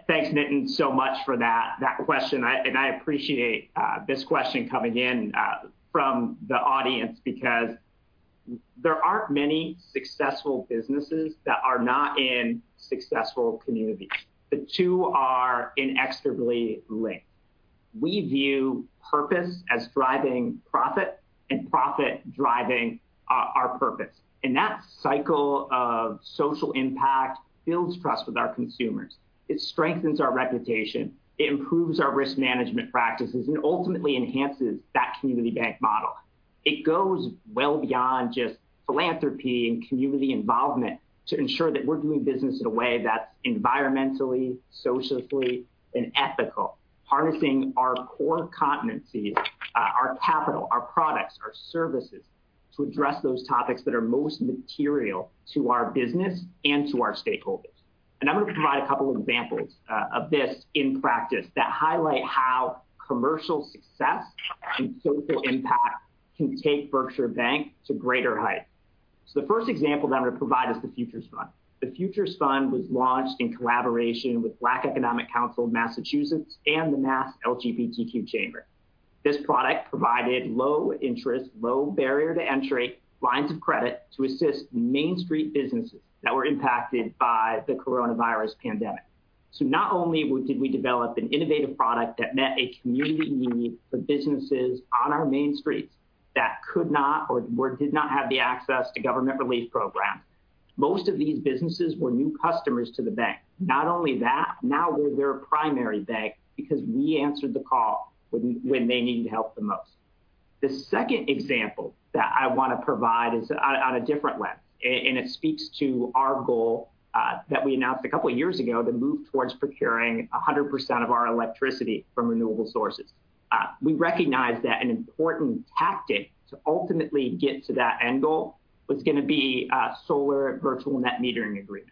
Thanks, Nitin, so much for that question. I appreciate this question coming in from the audience because there aren't many successful businesses that are not in successful communities. The two are inexorably linked. We view purpose as driving profit and profit driving our purpose. That cycle of social impact builds trust with our consumers. It strengthens our reputation, it improves our risk management practices, and ultimately enhances that community bank model. It goes well beyond just philanthropy and community involvement to ensure that we're doing business in a way that's environmentally, socially, and ethical. Harnessing our core competencies, our capital, our products, our services to address those topics that are most material to our business and to our stakeholders. I'm going to provide a couple of examples of this in practice that highlight how commercial success and social impact can take Berkshire Bank to greater heights. The first example that I'm going to provide is The Futures Fund. The Futures Fund was launched in collaboration with Black Economic Council of Massachusetts and the Mass LGBTQ Chamber. This product provided low interest, low barrier to entry lines of credit to assist Main Street businesses that were impacted by the coronavirus pandemic. Not only did we develop an innovative product that met a community need for businesses on our main streets that could not or did not have the access to government relief programs. Most of these businesses were new customers to the bank. Not only that, now we're their primary bank because we answered the call when they needed help the most. The second example that I want to provide is on a different lens. It speaks to our goal that we announced a couple of years ago to move towards procuring 100% of our electricity from renewable sources. We recognize that an important tactic to ultimately get to that end goal was going to be solar virtual net metering agreements.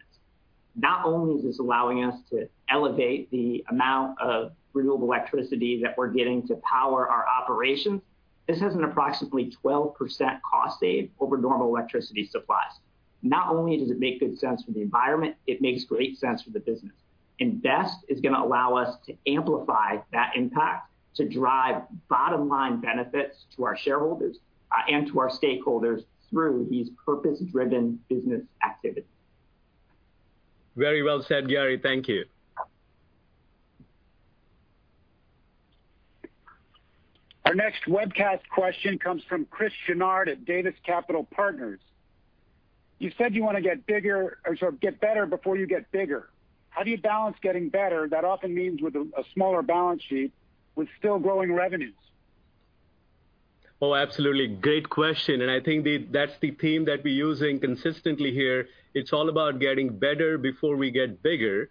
Not only is this allowing us to elevate the amount of renewable electricity that we're getting to power our operations, this is an approximately 12% cost save over normal electricity supplies. Not only does it make good sense for the environment, it makes great sense for the business. Invest is going to allow us to amplify that impact to drive bottom-line benefits to our shareholders and to our stakeholders through these purposes-driven business activities. Very well said, Gary. Thank you. Our next webcast question comes from Chris Chouinard at Davis Capital Partners. You said you want to get bigger or sorry, get better before you get bigger. How do you balance getting better, that often means with a smaller balance sheet, with still growing revenues? Oh, absolutely. Great question. I think that's the theme that we're using consistently here. It's all about getting better before we get bigger.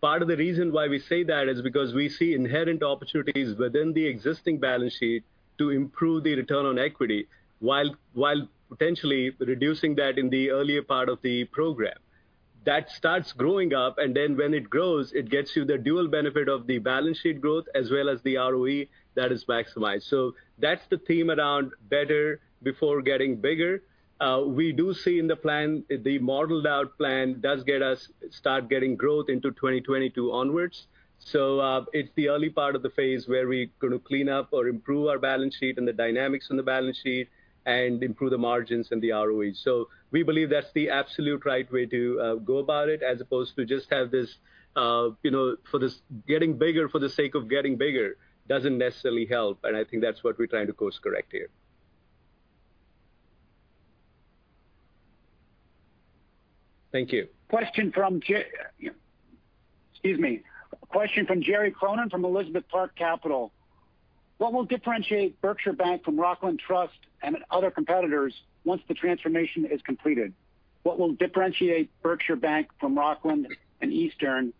Part of the reason why we say that is because we see inherent opportunities within the existing balance sheet to improve the return on equity while potentially reducing that in the earlier part of the program. That starts growing up, and then when it grows, it gets you the dual benefit of the balance sheet growth as well as the ROE that is maximized. That's the theme around better before getting bigger. We do see in the plan, the modeled-out plan does get us start getting growth into 2022 onwards. It's the early part of the phase where we're going to clean up or improve our balance sheet and the dynamics in the balance sheet and improve the margins and the ROE. We believe that's the absolute right way to go about it, as opposed to just have this getting bigger for the sake of getting bigger doesn't necessarily help, and I think that's what we're trying to course correct here. Thank you. Question from Gerry Cronin from Elizabeth Park Capital Management. What will differentiate Berkshire Bank from Rockland Trust and other competitors once the transformation is completed? What will differentiate Berkshire Bank from Rockland and Eastern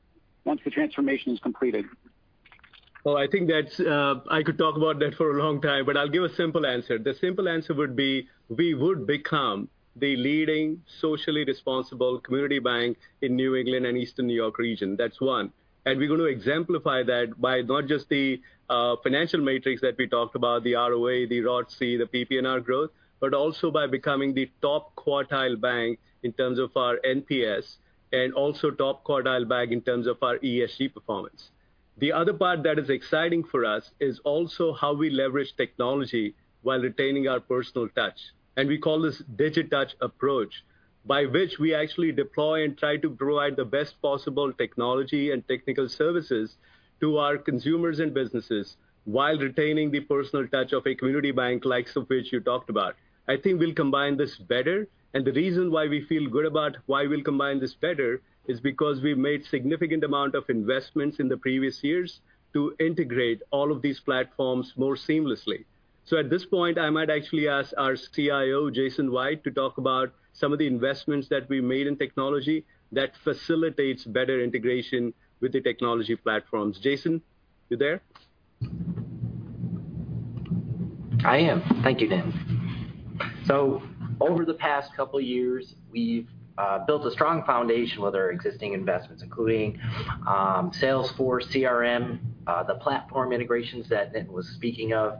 once the transformation is completed? I could talk about that for a long time. I'll give a simple answer. The simple answer would be we would become the leading socially responsible community bank in New England and Eastern New York region. That's one. We're going to exemplify that by not just the financial metrics that we talked about, the ROA, the ROTCE, the PPNR growth, also by becoming the top quartile bank in terms of our NPS and also top quartile bank in terms of our ESG performance. The other part that is exciting for us is also how we leverage technology while retaining our personal touch. We call this DigiTouch approach, by which we actually deploy and try to provide the best possible technology and technical services to our consumers and businesses while retaining the personal touch of a community bank like some of which you talked about. I think we'll combine this better, and the reason why we feel good about why we'll combine this better is because we've made significant amount of investments in the previous years to integrate all of these platforms more seamlessly. At this point, I might actually ask our CIO, Jason White, to talk about some of the investments that we made in technology that facilitates better integration with the technology platforms. Jason, you there? I am. Thank you, Nitin. Over the past couple of years, we've built a strong foundation with our existing investments, including Salesforce CRM, the platform integrations that Nitin was speaking of.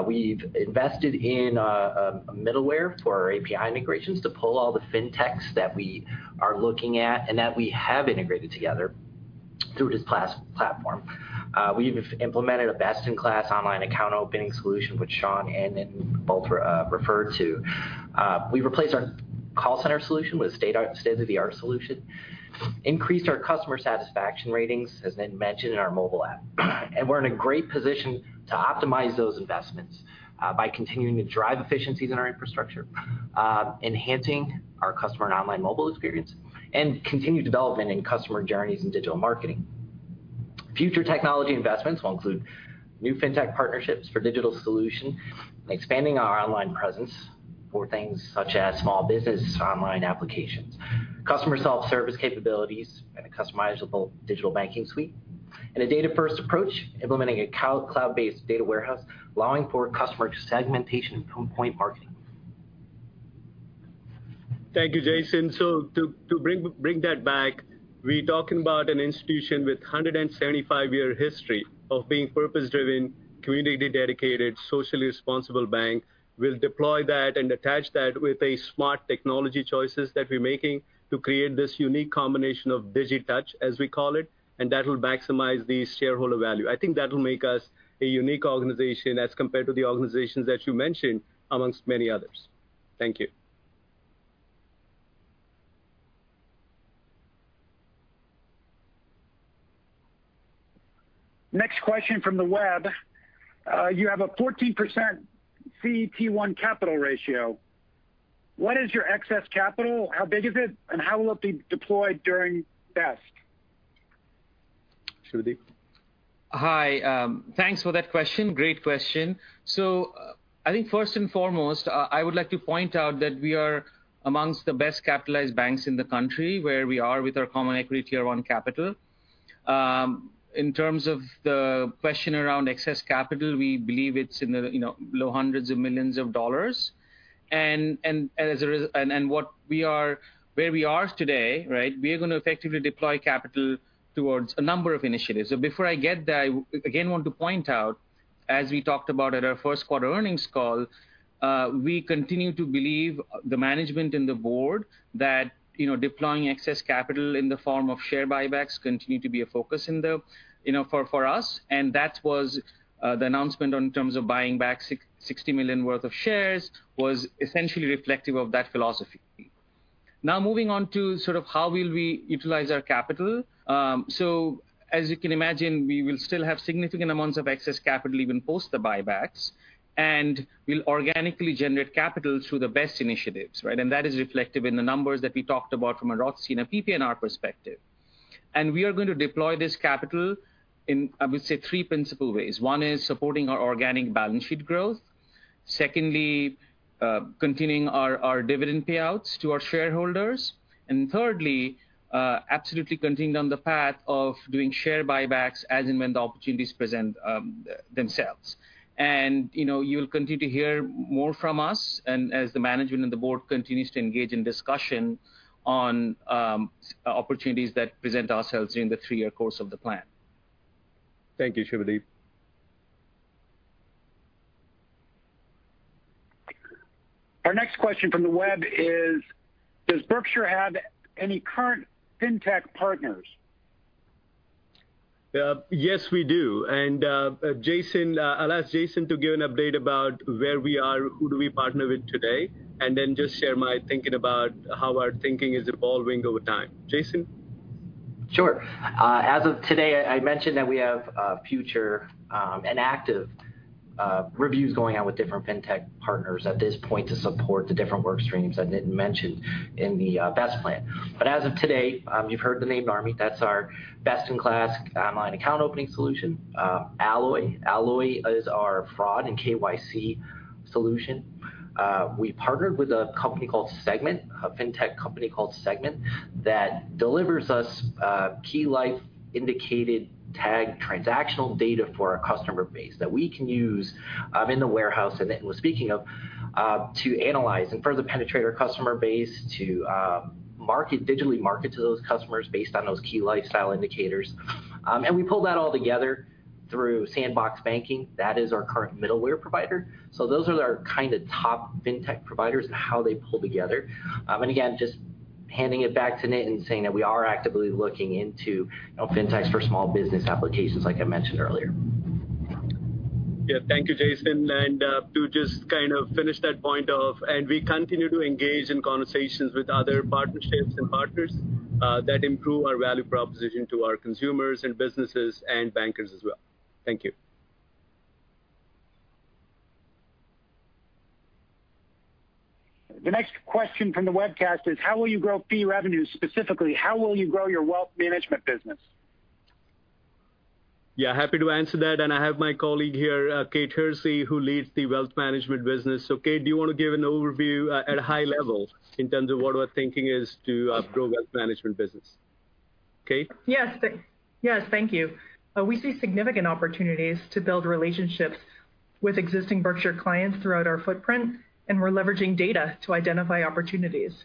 We've invested in a middleware for our API integrations to pull all the fintechs that we are looking at and that we have integrated together through this platform. We've implemented a best-in-class online account opening solution, which Sean and Nitin both referred to. We replaced our call center solution with state-of-the-art solution, increased our customer satisfaction ratings, as Nitin mentioned, in our mobile app. We're in a great position to optimize those investments by continuing to drive efficiency in our infrastructure, enhancing our customer and online mobile experience, and continued development in customer journeys and digital marketing. Future technology investments will include new fintech partnerships for digital solution, expanding our online presence for things such as small businesses, online applications, customer self-service capabilities, and a customizable digital banking suite, and a data-first approach implementing a cloud-based data warehouse allowing for customer segmentation and point marketing. Thank you, Jason. To bring that back, we're talking about an institution with 175-year history of being purpose-driven, community dedicated, socially responsible bank. We'll deploy that and attach that with a smart technology choices that we're making to create this unique combination of DigiTouch, as we call it, and that will maximize the shareholder value. I think that will make us a unique organization as compared to the organizations that you mentioned, amongst many others. Thank you. Next question from the web. You have a 14% CET1 capital ratio. What is your excess capital? How big is it, and how will it be deployed during BEST? Subhadeep. Hi. Thanks for that question. Great question. I think first and foremost, I would like to point out that we are amongst the best-capitalized banks in the country, where we are with our common equity tier 1 capital. In terms of the question around excess capital, we believe it's in the low hundreds of millions of dollars. Where we are today, we are going to effectively deploy capital towards a number of initiatives. Before I get there, I again want to point out, as we talked about at our first quarter earnings call, we continue to believe, the management and the board, that deploying excess capital in the form of share buybacks continue to be a focus for us. The announcement in terms of buying back $60 million worth of shares was essentially reflective of that philosophy. Moving on to how will we utilize our capital. As you can imagine, we will still have significant amounts of excess capital even post the buybacks, and we'll organically generate capital through the BEST initiatives, right? That is reflected in the numbers that we talked about from a ROTCE and a PPNR perspective. We are going to deploy this capital in, I would say, three principal ways. One is supporting our organic balance sheet growth. Secondly, continuing our dividend payouts to our shareholders. Thirdly, absolutely continuing down the path of doing share buybacks as and when the opportunities present themselves. You'll continue to hear more from us and as the management and the board continues to engage in discussion on opportunities that present ourselves in the three-year course of the plan. Thank you, Subhadeep. Our next question from the web is, does Berkshire have any current fintech partners? Yes, we do. I'll ask Jason to give an update about where we are, who do we partner with today, and then just share my thinking about how our thinking is evolving over time. Jason? Sure. As of today, I mentioned that we have future and active reviews going on with different fintech partners at this point to support the different work streams that Nitin mentioned in the BEST plan. As of today, you've heard the name Narmi. That's our best-in-class online account opening solution. Alloy. Alloy is our fraud and KYC solution. We partnered with a company called Segment, a fintech company called Segment, that delivers us key lifestyle indicator tag transactional data for our customer base that we can use in the warehouse that Nitin was speaking of, to analyze it. Further penetrate our customer base to digitally market to those customers based on those key lifestyle indicators. We pull that all together through Sandbox Banking. That is our current middleware provider. Those are our kind of top fintech providers and how they pull together. Just handing it back to Nitin saying that we are actively looking into FinTech for small business applications like I mentioned earlier. Yeah. Thank you, Jason. To just kind of finish that point off, we continue to engage in conversations with other partnerships and partners that improve our value proposition to our consumers and businesses and bankers as well. Thank you. The next question from the webcast is how will you grow fee revenue? Specifically, how will you grow your wealth management business? Yeah, happy to answer that. I have my colleague here, Kate Hersey, who leads the Wealth Management business. Kate, do you want to give an overview at a high level in terms of what our thinking is to grow Wealth Management business? Kate? Yes. Thank you. We see significant opportunities to build relationships with existing Berkshire clients throughout our footprint, and we're leveraging data to identify opportunities.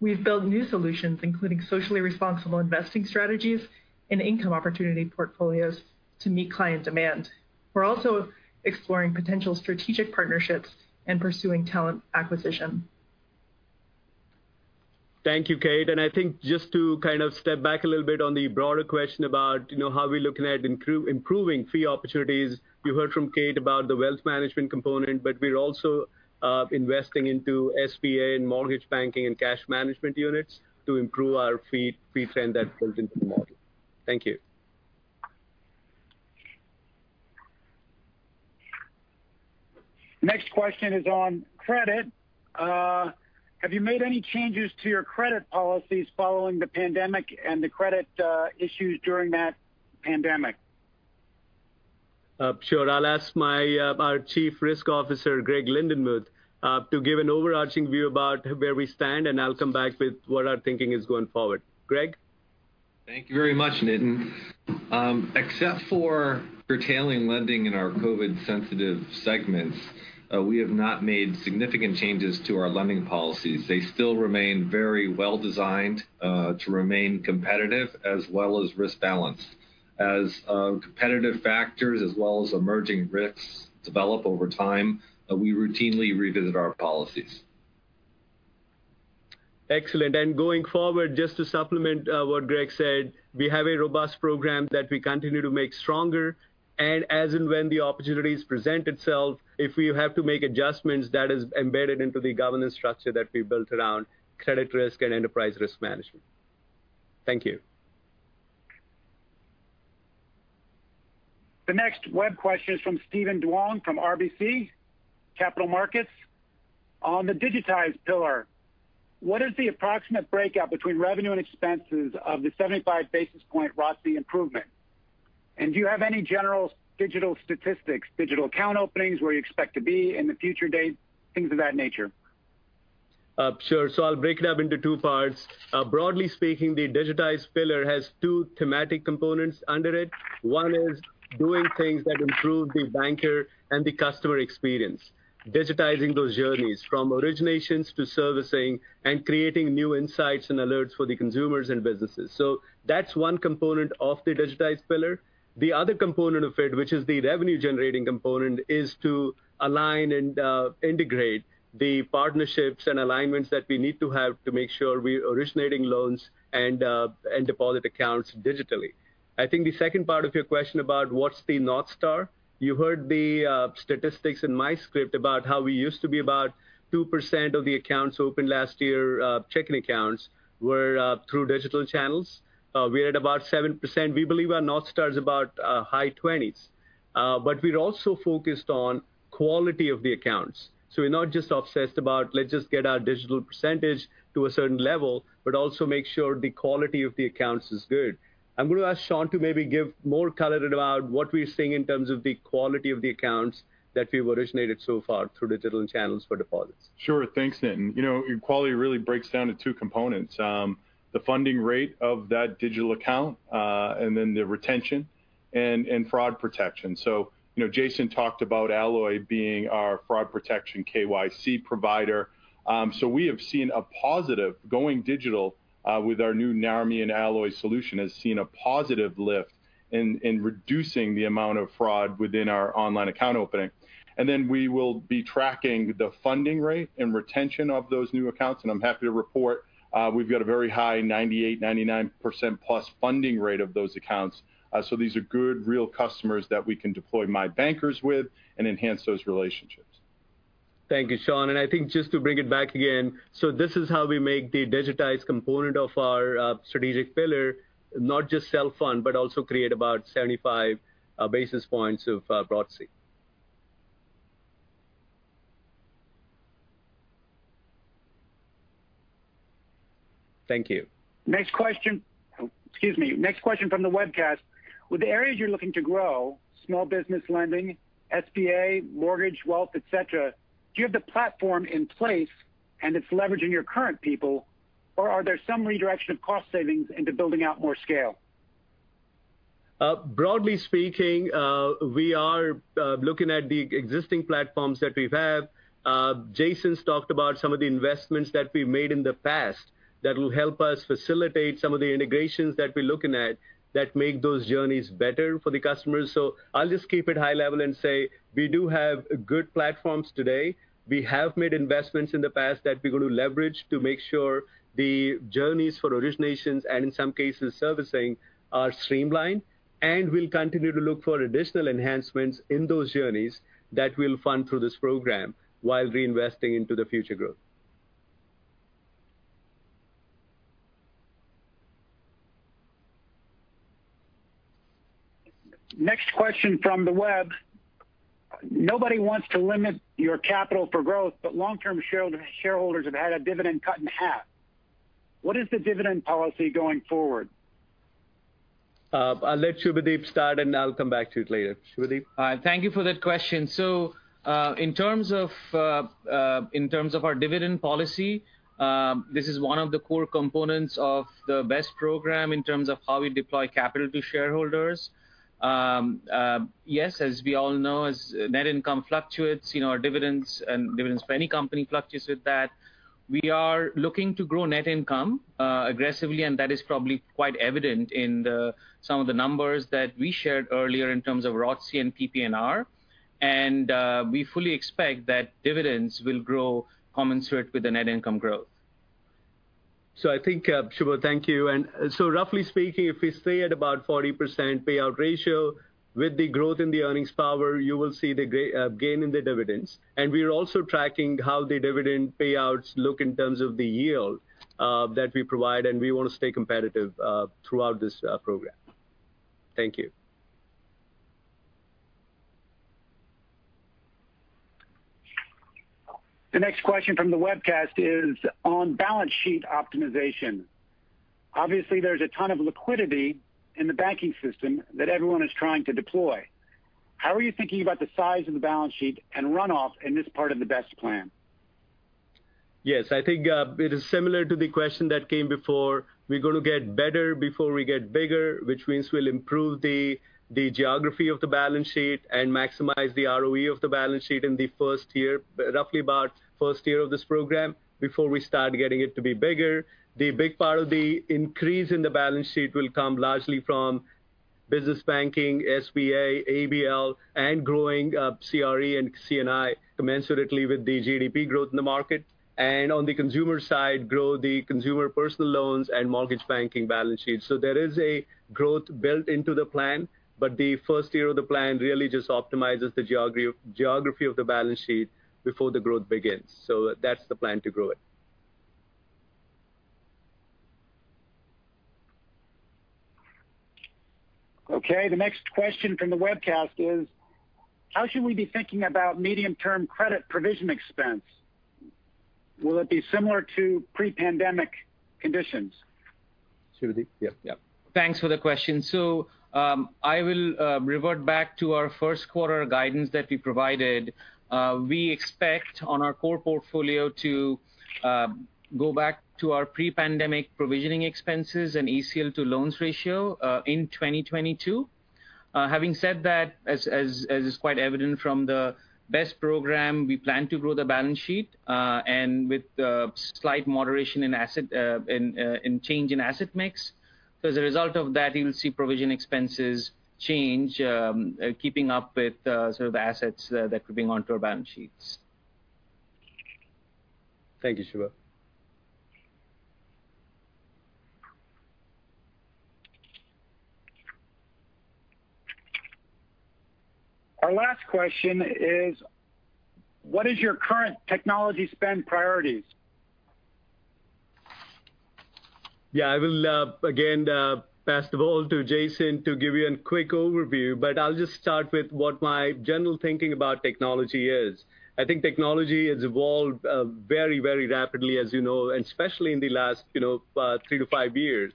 We've built new solutions, including socially responsible investing strategies and income opportunity portfolios to meet client demand. We're also exploring potential strategic partnerships and pursuing talent acquisition. Thank you, Kate. I think just to kind of step back a little bit on the broader question about how we're looking at improving fee opportunities. We heard from Kate about the wealth management component, but we're also investing into SBA and mortgage banking and cash management units to improve our fee trend that goes into the model. Thank you. Next question is on credit. Have you made any changes to your credit policies following the pandemic and the credit issues during that pandemic? Sure. I'll ask our Chief Risk Officer, Greg Lindenmuth, to give an overarching view about where we stand, and I'll come back with what our thinking is going forward. Greg? Thank you very much, Nitin. Except for retailing lending in our COVID sensitive segments, we have not made significant changes to our lending policies. They still remain very well designed, to remain competitive as well as risk balanced. As competitive factors as well as emerging risks develop over time, we routinely revisit our policies. Excellent. Going forward, just to supplement what Greg said, we have a robust program that we continue to make stronger. As and when the opportunities present itself, if we have to make adjustments, that is embedded into the governance structure that we built around credit risk and enterprise risk management. Thank you. The next web question is from Steven Duong from RBC Capital Markets. On the digitized pillar, what is the approximate breakout between revenue and expenses of the 75-basis point ROTCE improvement? Do you have any general digital statistics, digital account openings, where you expect to be in the future date, things of that nature? Sure. I'll break it up into two parts. Broadly speaking, the digitized pillar has two thematic components under it. One is doing things that improve the banker and the customer experience. Digitizing those journeys from originations to servicing and creating new insights and alerts for the consumers and businesses. That's one component of the digitized pillar. The other component of it, which is the revenue generating component, is to align and integrate the partnerships and alignments that we need to have to make sure we're originating loans and deposit accounts digitally. I think the second part of your question about what's the North Star. You heard the statistics in my script about how we used to be about 2% of the accounts opened last year, checking accounts were through digital channels. We're at about 7%. We believe our North Star is about high 20s. We're also focused on quality of the accounts. We're not just obsessed about let's just get our digital % to a certain level but also make sure the quality of the accounts is good. I'm going to ask Sean to maybe give more color about what we're seeing in terms of the quality of the accounts that we've originated so far through digital channels for deposits. Sure. Thanks, Nitin. Quality really breaks down to two components. The funding rate of that digital account, and then the retention and fraud protection. Jason talked about Alloy being our fraud protection KYC provider. We have seen a positive going digital, with our new Narmi and Alloy solution, has seen a positive lift in reducing the amount of fraud within our online account opening. We will be tracking the funding rate and retention of those new accounts. I'm happy to report we've got a very high 98%, 99%+ funding rate of those accounts. These are good real customers that we can deploy My Bankers with and enhance those relationships. Thank you, Sean. I think just to bring it back again, this is how we make the digitized component of our strategic pillar, not just cell phone, but also create about 75 basis points of ROTCE. Thank you. Next question from the webcast. With the areas you're looking to grow, small business lending, SBA, mortgage, wealth, et cetera, do you have the platform in place and it's leveraging your current people, or are there some redirections of cost savings into building out more scale? Broadly speaking, we are looking at the existing platforms that we have. Jason talked about some of the investments that we made in the past that will help us facilitate some of the integrations that we're looking at that make those journeys better for the customers. I'll just keep it high level and say we do have good platforms today. We have made investments in the past that we're going to leverage to make sure the journeys for originations, and in some cases servicing, are streamlined. We'll continue to look for additional enhancements in those journeys that we'll fund through this program while reinvesting into the future growth. Next question from the web. Nobody wants to limit your capital for growth, but long-term shareholders have had a dividend cut in half. What is the dividend policy going forward? I'll let Subhadeep start, and I'll come back to it later. Subhadeep? Thank you for that question. In terms of our dividend policy, this is one of the core components of the BEST program in terms of how we deploy capital to shareholders. Yes, as we all know, as net income fluctuates, our dividends and dividends of any company fluctuates with that. We are looking to grow net income aggressively, and that is probably quite evident in some of the numbers that we shared earlier in terms of ROCE and PPNR, and we fully expect that dividends will grow commensurate with the net income growth. I think, Subha, thank you. Roughly speaking, if we stay at about 40% payout ratio, with the growth in the earnings power you will see the gain in the dividends. We're also tracking how the dividend payouts look in terms of the yield that we provide, and we want to stay competitive throughout this program. Thank you. The next question from the webcast is on balance sheet optimization. Obviously, there's a ton of liquidity in the banking system that everyone is trying to deploy. How are you thinking about the size of the balance sheet and runoff in this part of the BEST plan? Yes, I think it is similar to the question that came before. We got to get better before we get bigger, which means we'll improve the geography of the balance sheet and maximize the ROE of the balance sheet in the roughly about first year of this program before we start getting it to be bigger. The big part of the increase in the balance sheet will come largely from business banking, SBA, ABL, and growing CRE and C&I commensurately with the GDP growth in the market. On the consumer side, grow the consumer personal loans and mortgage banking balance sheet. There is a growth built into the plan, but the first year of the plan really just optimizes the geography of the balance sheet before the growth begins. That's the plan to grow it. Okay. The next question from the webcast is how should we be thinking about medium-term credit provision expense? Will it be similar to pre-pandemic conditions? Subhadeep? Yep. Thanks for the question. I will revert back to our first quarter guidance that we provided. We expect on our core portfolio to go back to our pre-pandemic provisioning expenses and ECL to loans ratio in 2022. Having said that, as is quite evident from the BEST program, we plan to grow the balance sheet, and with the slight moderation in change in asset mix. As a result of that, you'll see provision expenses change, keeping up with the assets that are coming onto our balance sheets. Thank you, Subha. Our last question is what is your current technology spend priorities? Yeah, I will again pass the ball to Jason to give you a quick overview, but I'll just start with what my general thinking about technology is. I think technology has evolved very rapidly, as you know, especially in the last three to five years.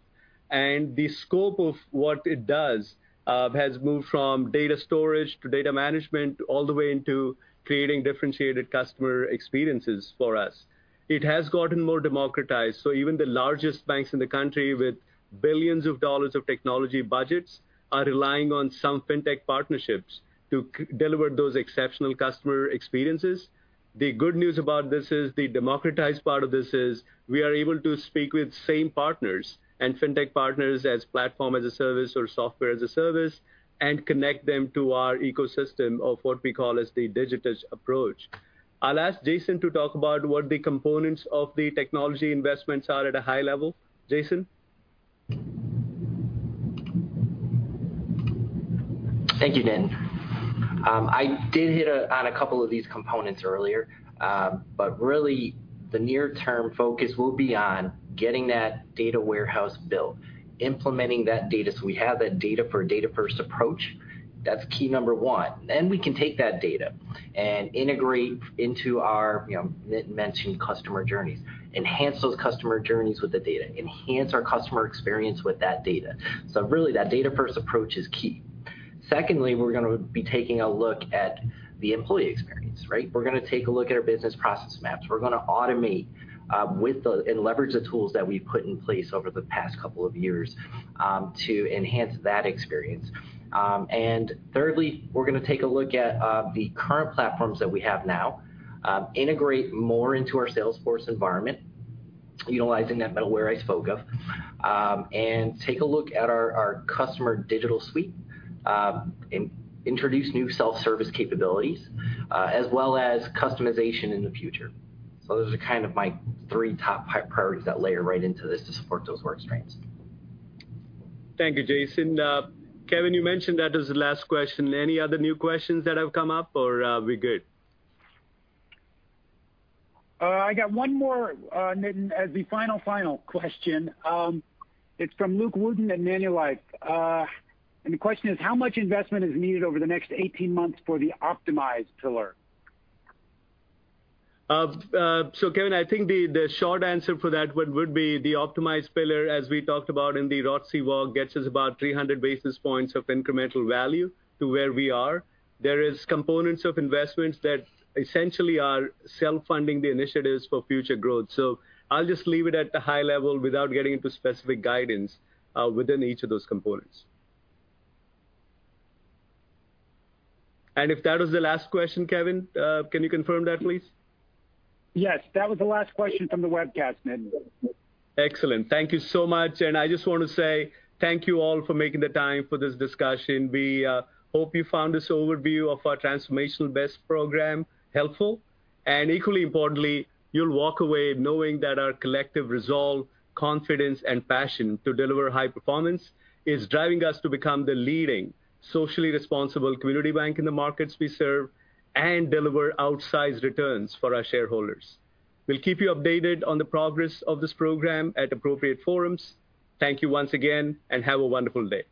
The scope of what it does has moved from data storage to data management, all the way into creating differentiated customer experiences for us. It has gotten more democratized, so even the largest banks in the country with billions of dollars of technology budgets are relying on some fintech partnerships to deliver those exceptional customer experiences. The good news about this is the democratized part of this is we are able to speak with same partners and fintech partners as platform as a service or software as a service and connect them to our ecosystem of what we call as the digital approach. I'll ask Jason to talk about what the components of the technology investments are at a high level. Jason? Thank you, Nitin. I did hit on a couple of these components earlier. Really the near-term focus will be on getting that data warehouse built, implementing that data so we have that data for a data first approach. That's key number 1. We can take that data and integrate into our mentioned customer journeys, enhance those customer journeys with the data, enhance our customer experience with that data. Really that data first approach is key. Secondly, we're going to be taking a look at the employee experience, right? We're going to take a look at our business process maps. We're going to automate with and leverage the tools that we've put in place over the past couple of years to enhance that experience. Thirdly, we're going to take a look at the current platforms that we have now, integrate more into our Salesforce environment, utilizing that middleware I spoke of, and take a look at our customer digital suite, and introduce new self-service capabilities, as well as customization in the future. Those are kind of my three top priorities that layer right into this to support those work streams. Thank you, Jason. Kevin, you mentioned that as the last question. Any other new questions that have come up, or are we good? I got one more, Nitin, as the final question. It's from Luke Wooden at Nanalyze. The question is how much investment is needed over the next 18 months for the Optimize pillar? Kevin, I think the short answer for that would be the Optimize pillar, as we talked about in the ROTCE walk, gets us about 300 basis points of incremental value to where we are. There is components of investments that essentially are self-funding the initiatives for future growth. I'll just leave it at the high level without getting into specific guidance within each of those components. If that was the last question, Kevin, can you confirm that please? Yes, that was the last question from the webcast, Nitin. Excellent. Thank you so much. I just want to say thank you all for making the time for this discussion. We hope you found this overview of our transformational BEST program helpful. Equally importantly, you'll walk away knowing that our collective resolve, confidence, and passion to deliver high performance is driving us to become the leading socially responsible community bank in the markets we serve and deliver outsized returns for our shareholders. We'll keep you updated on the progress of this program at appropriate forums. Thank you once again, and have a wonderful day.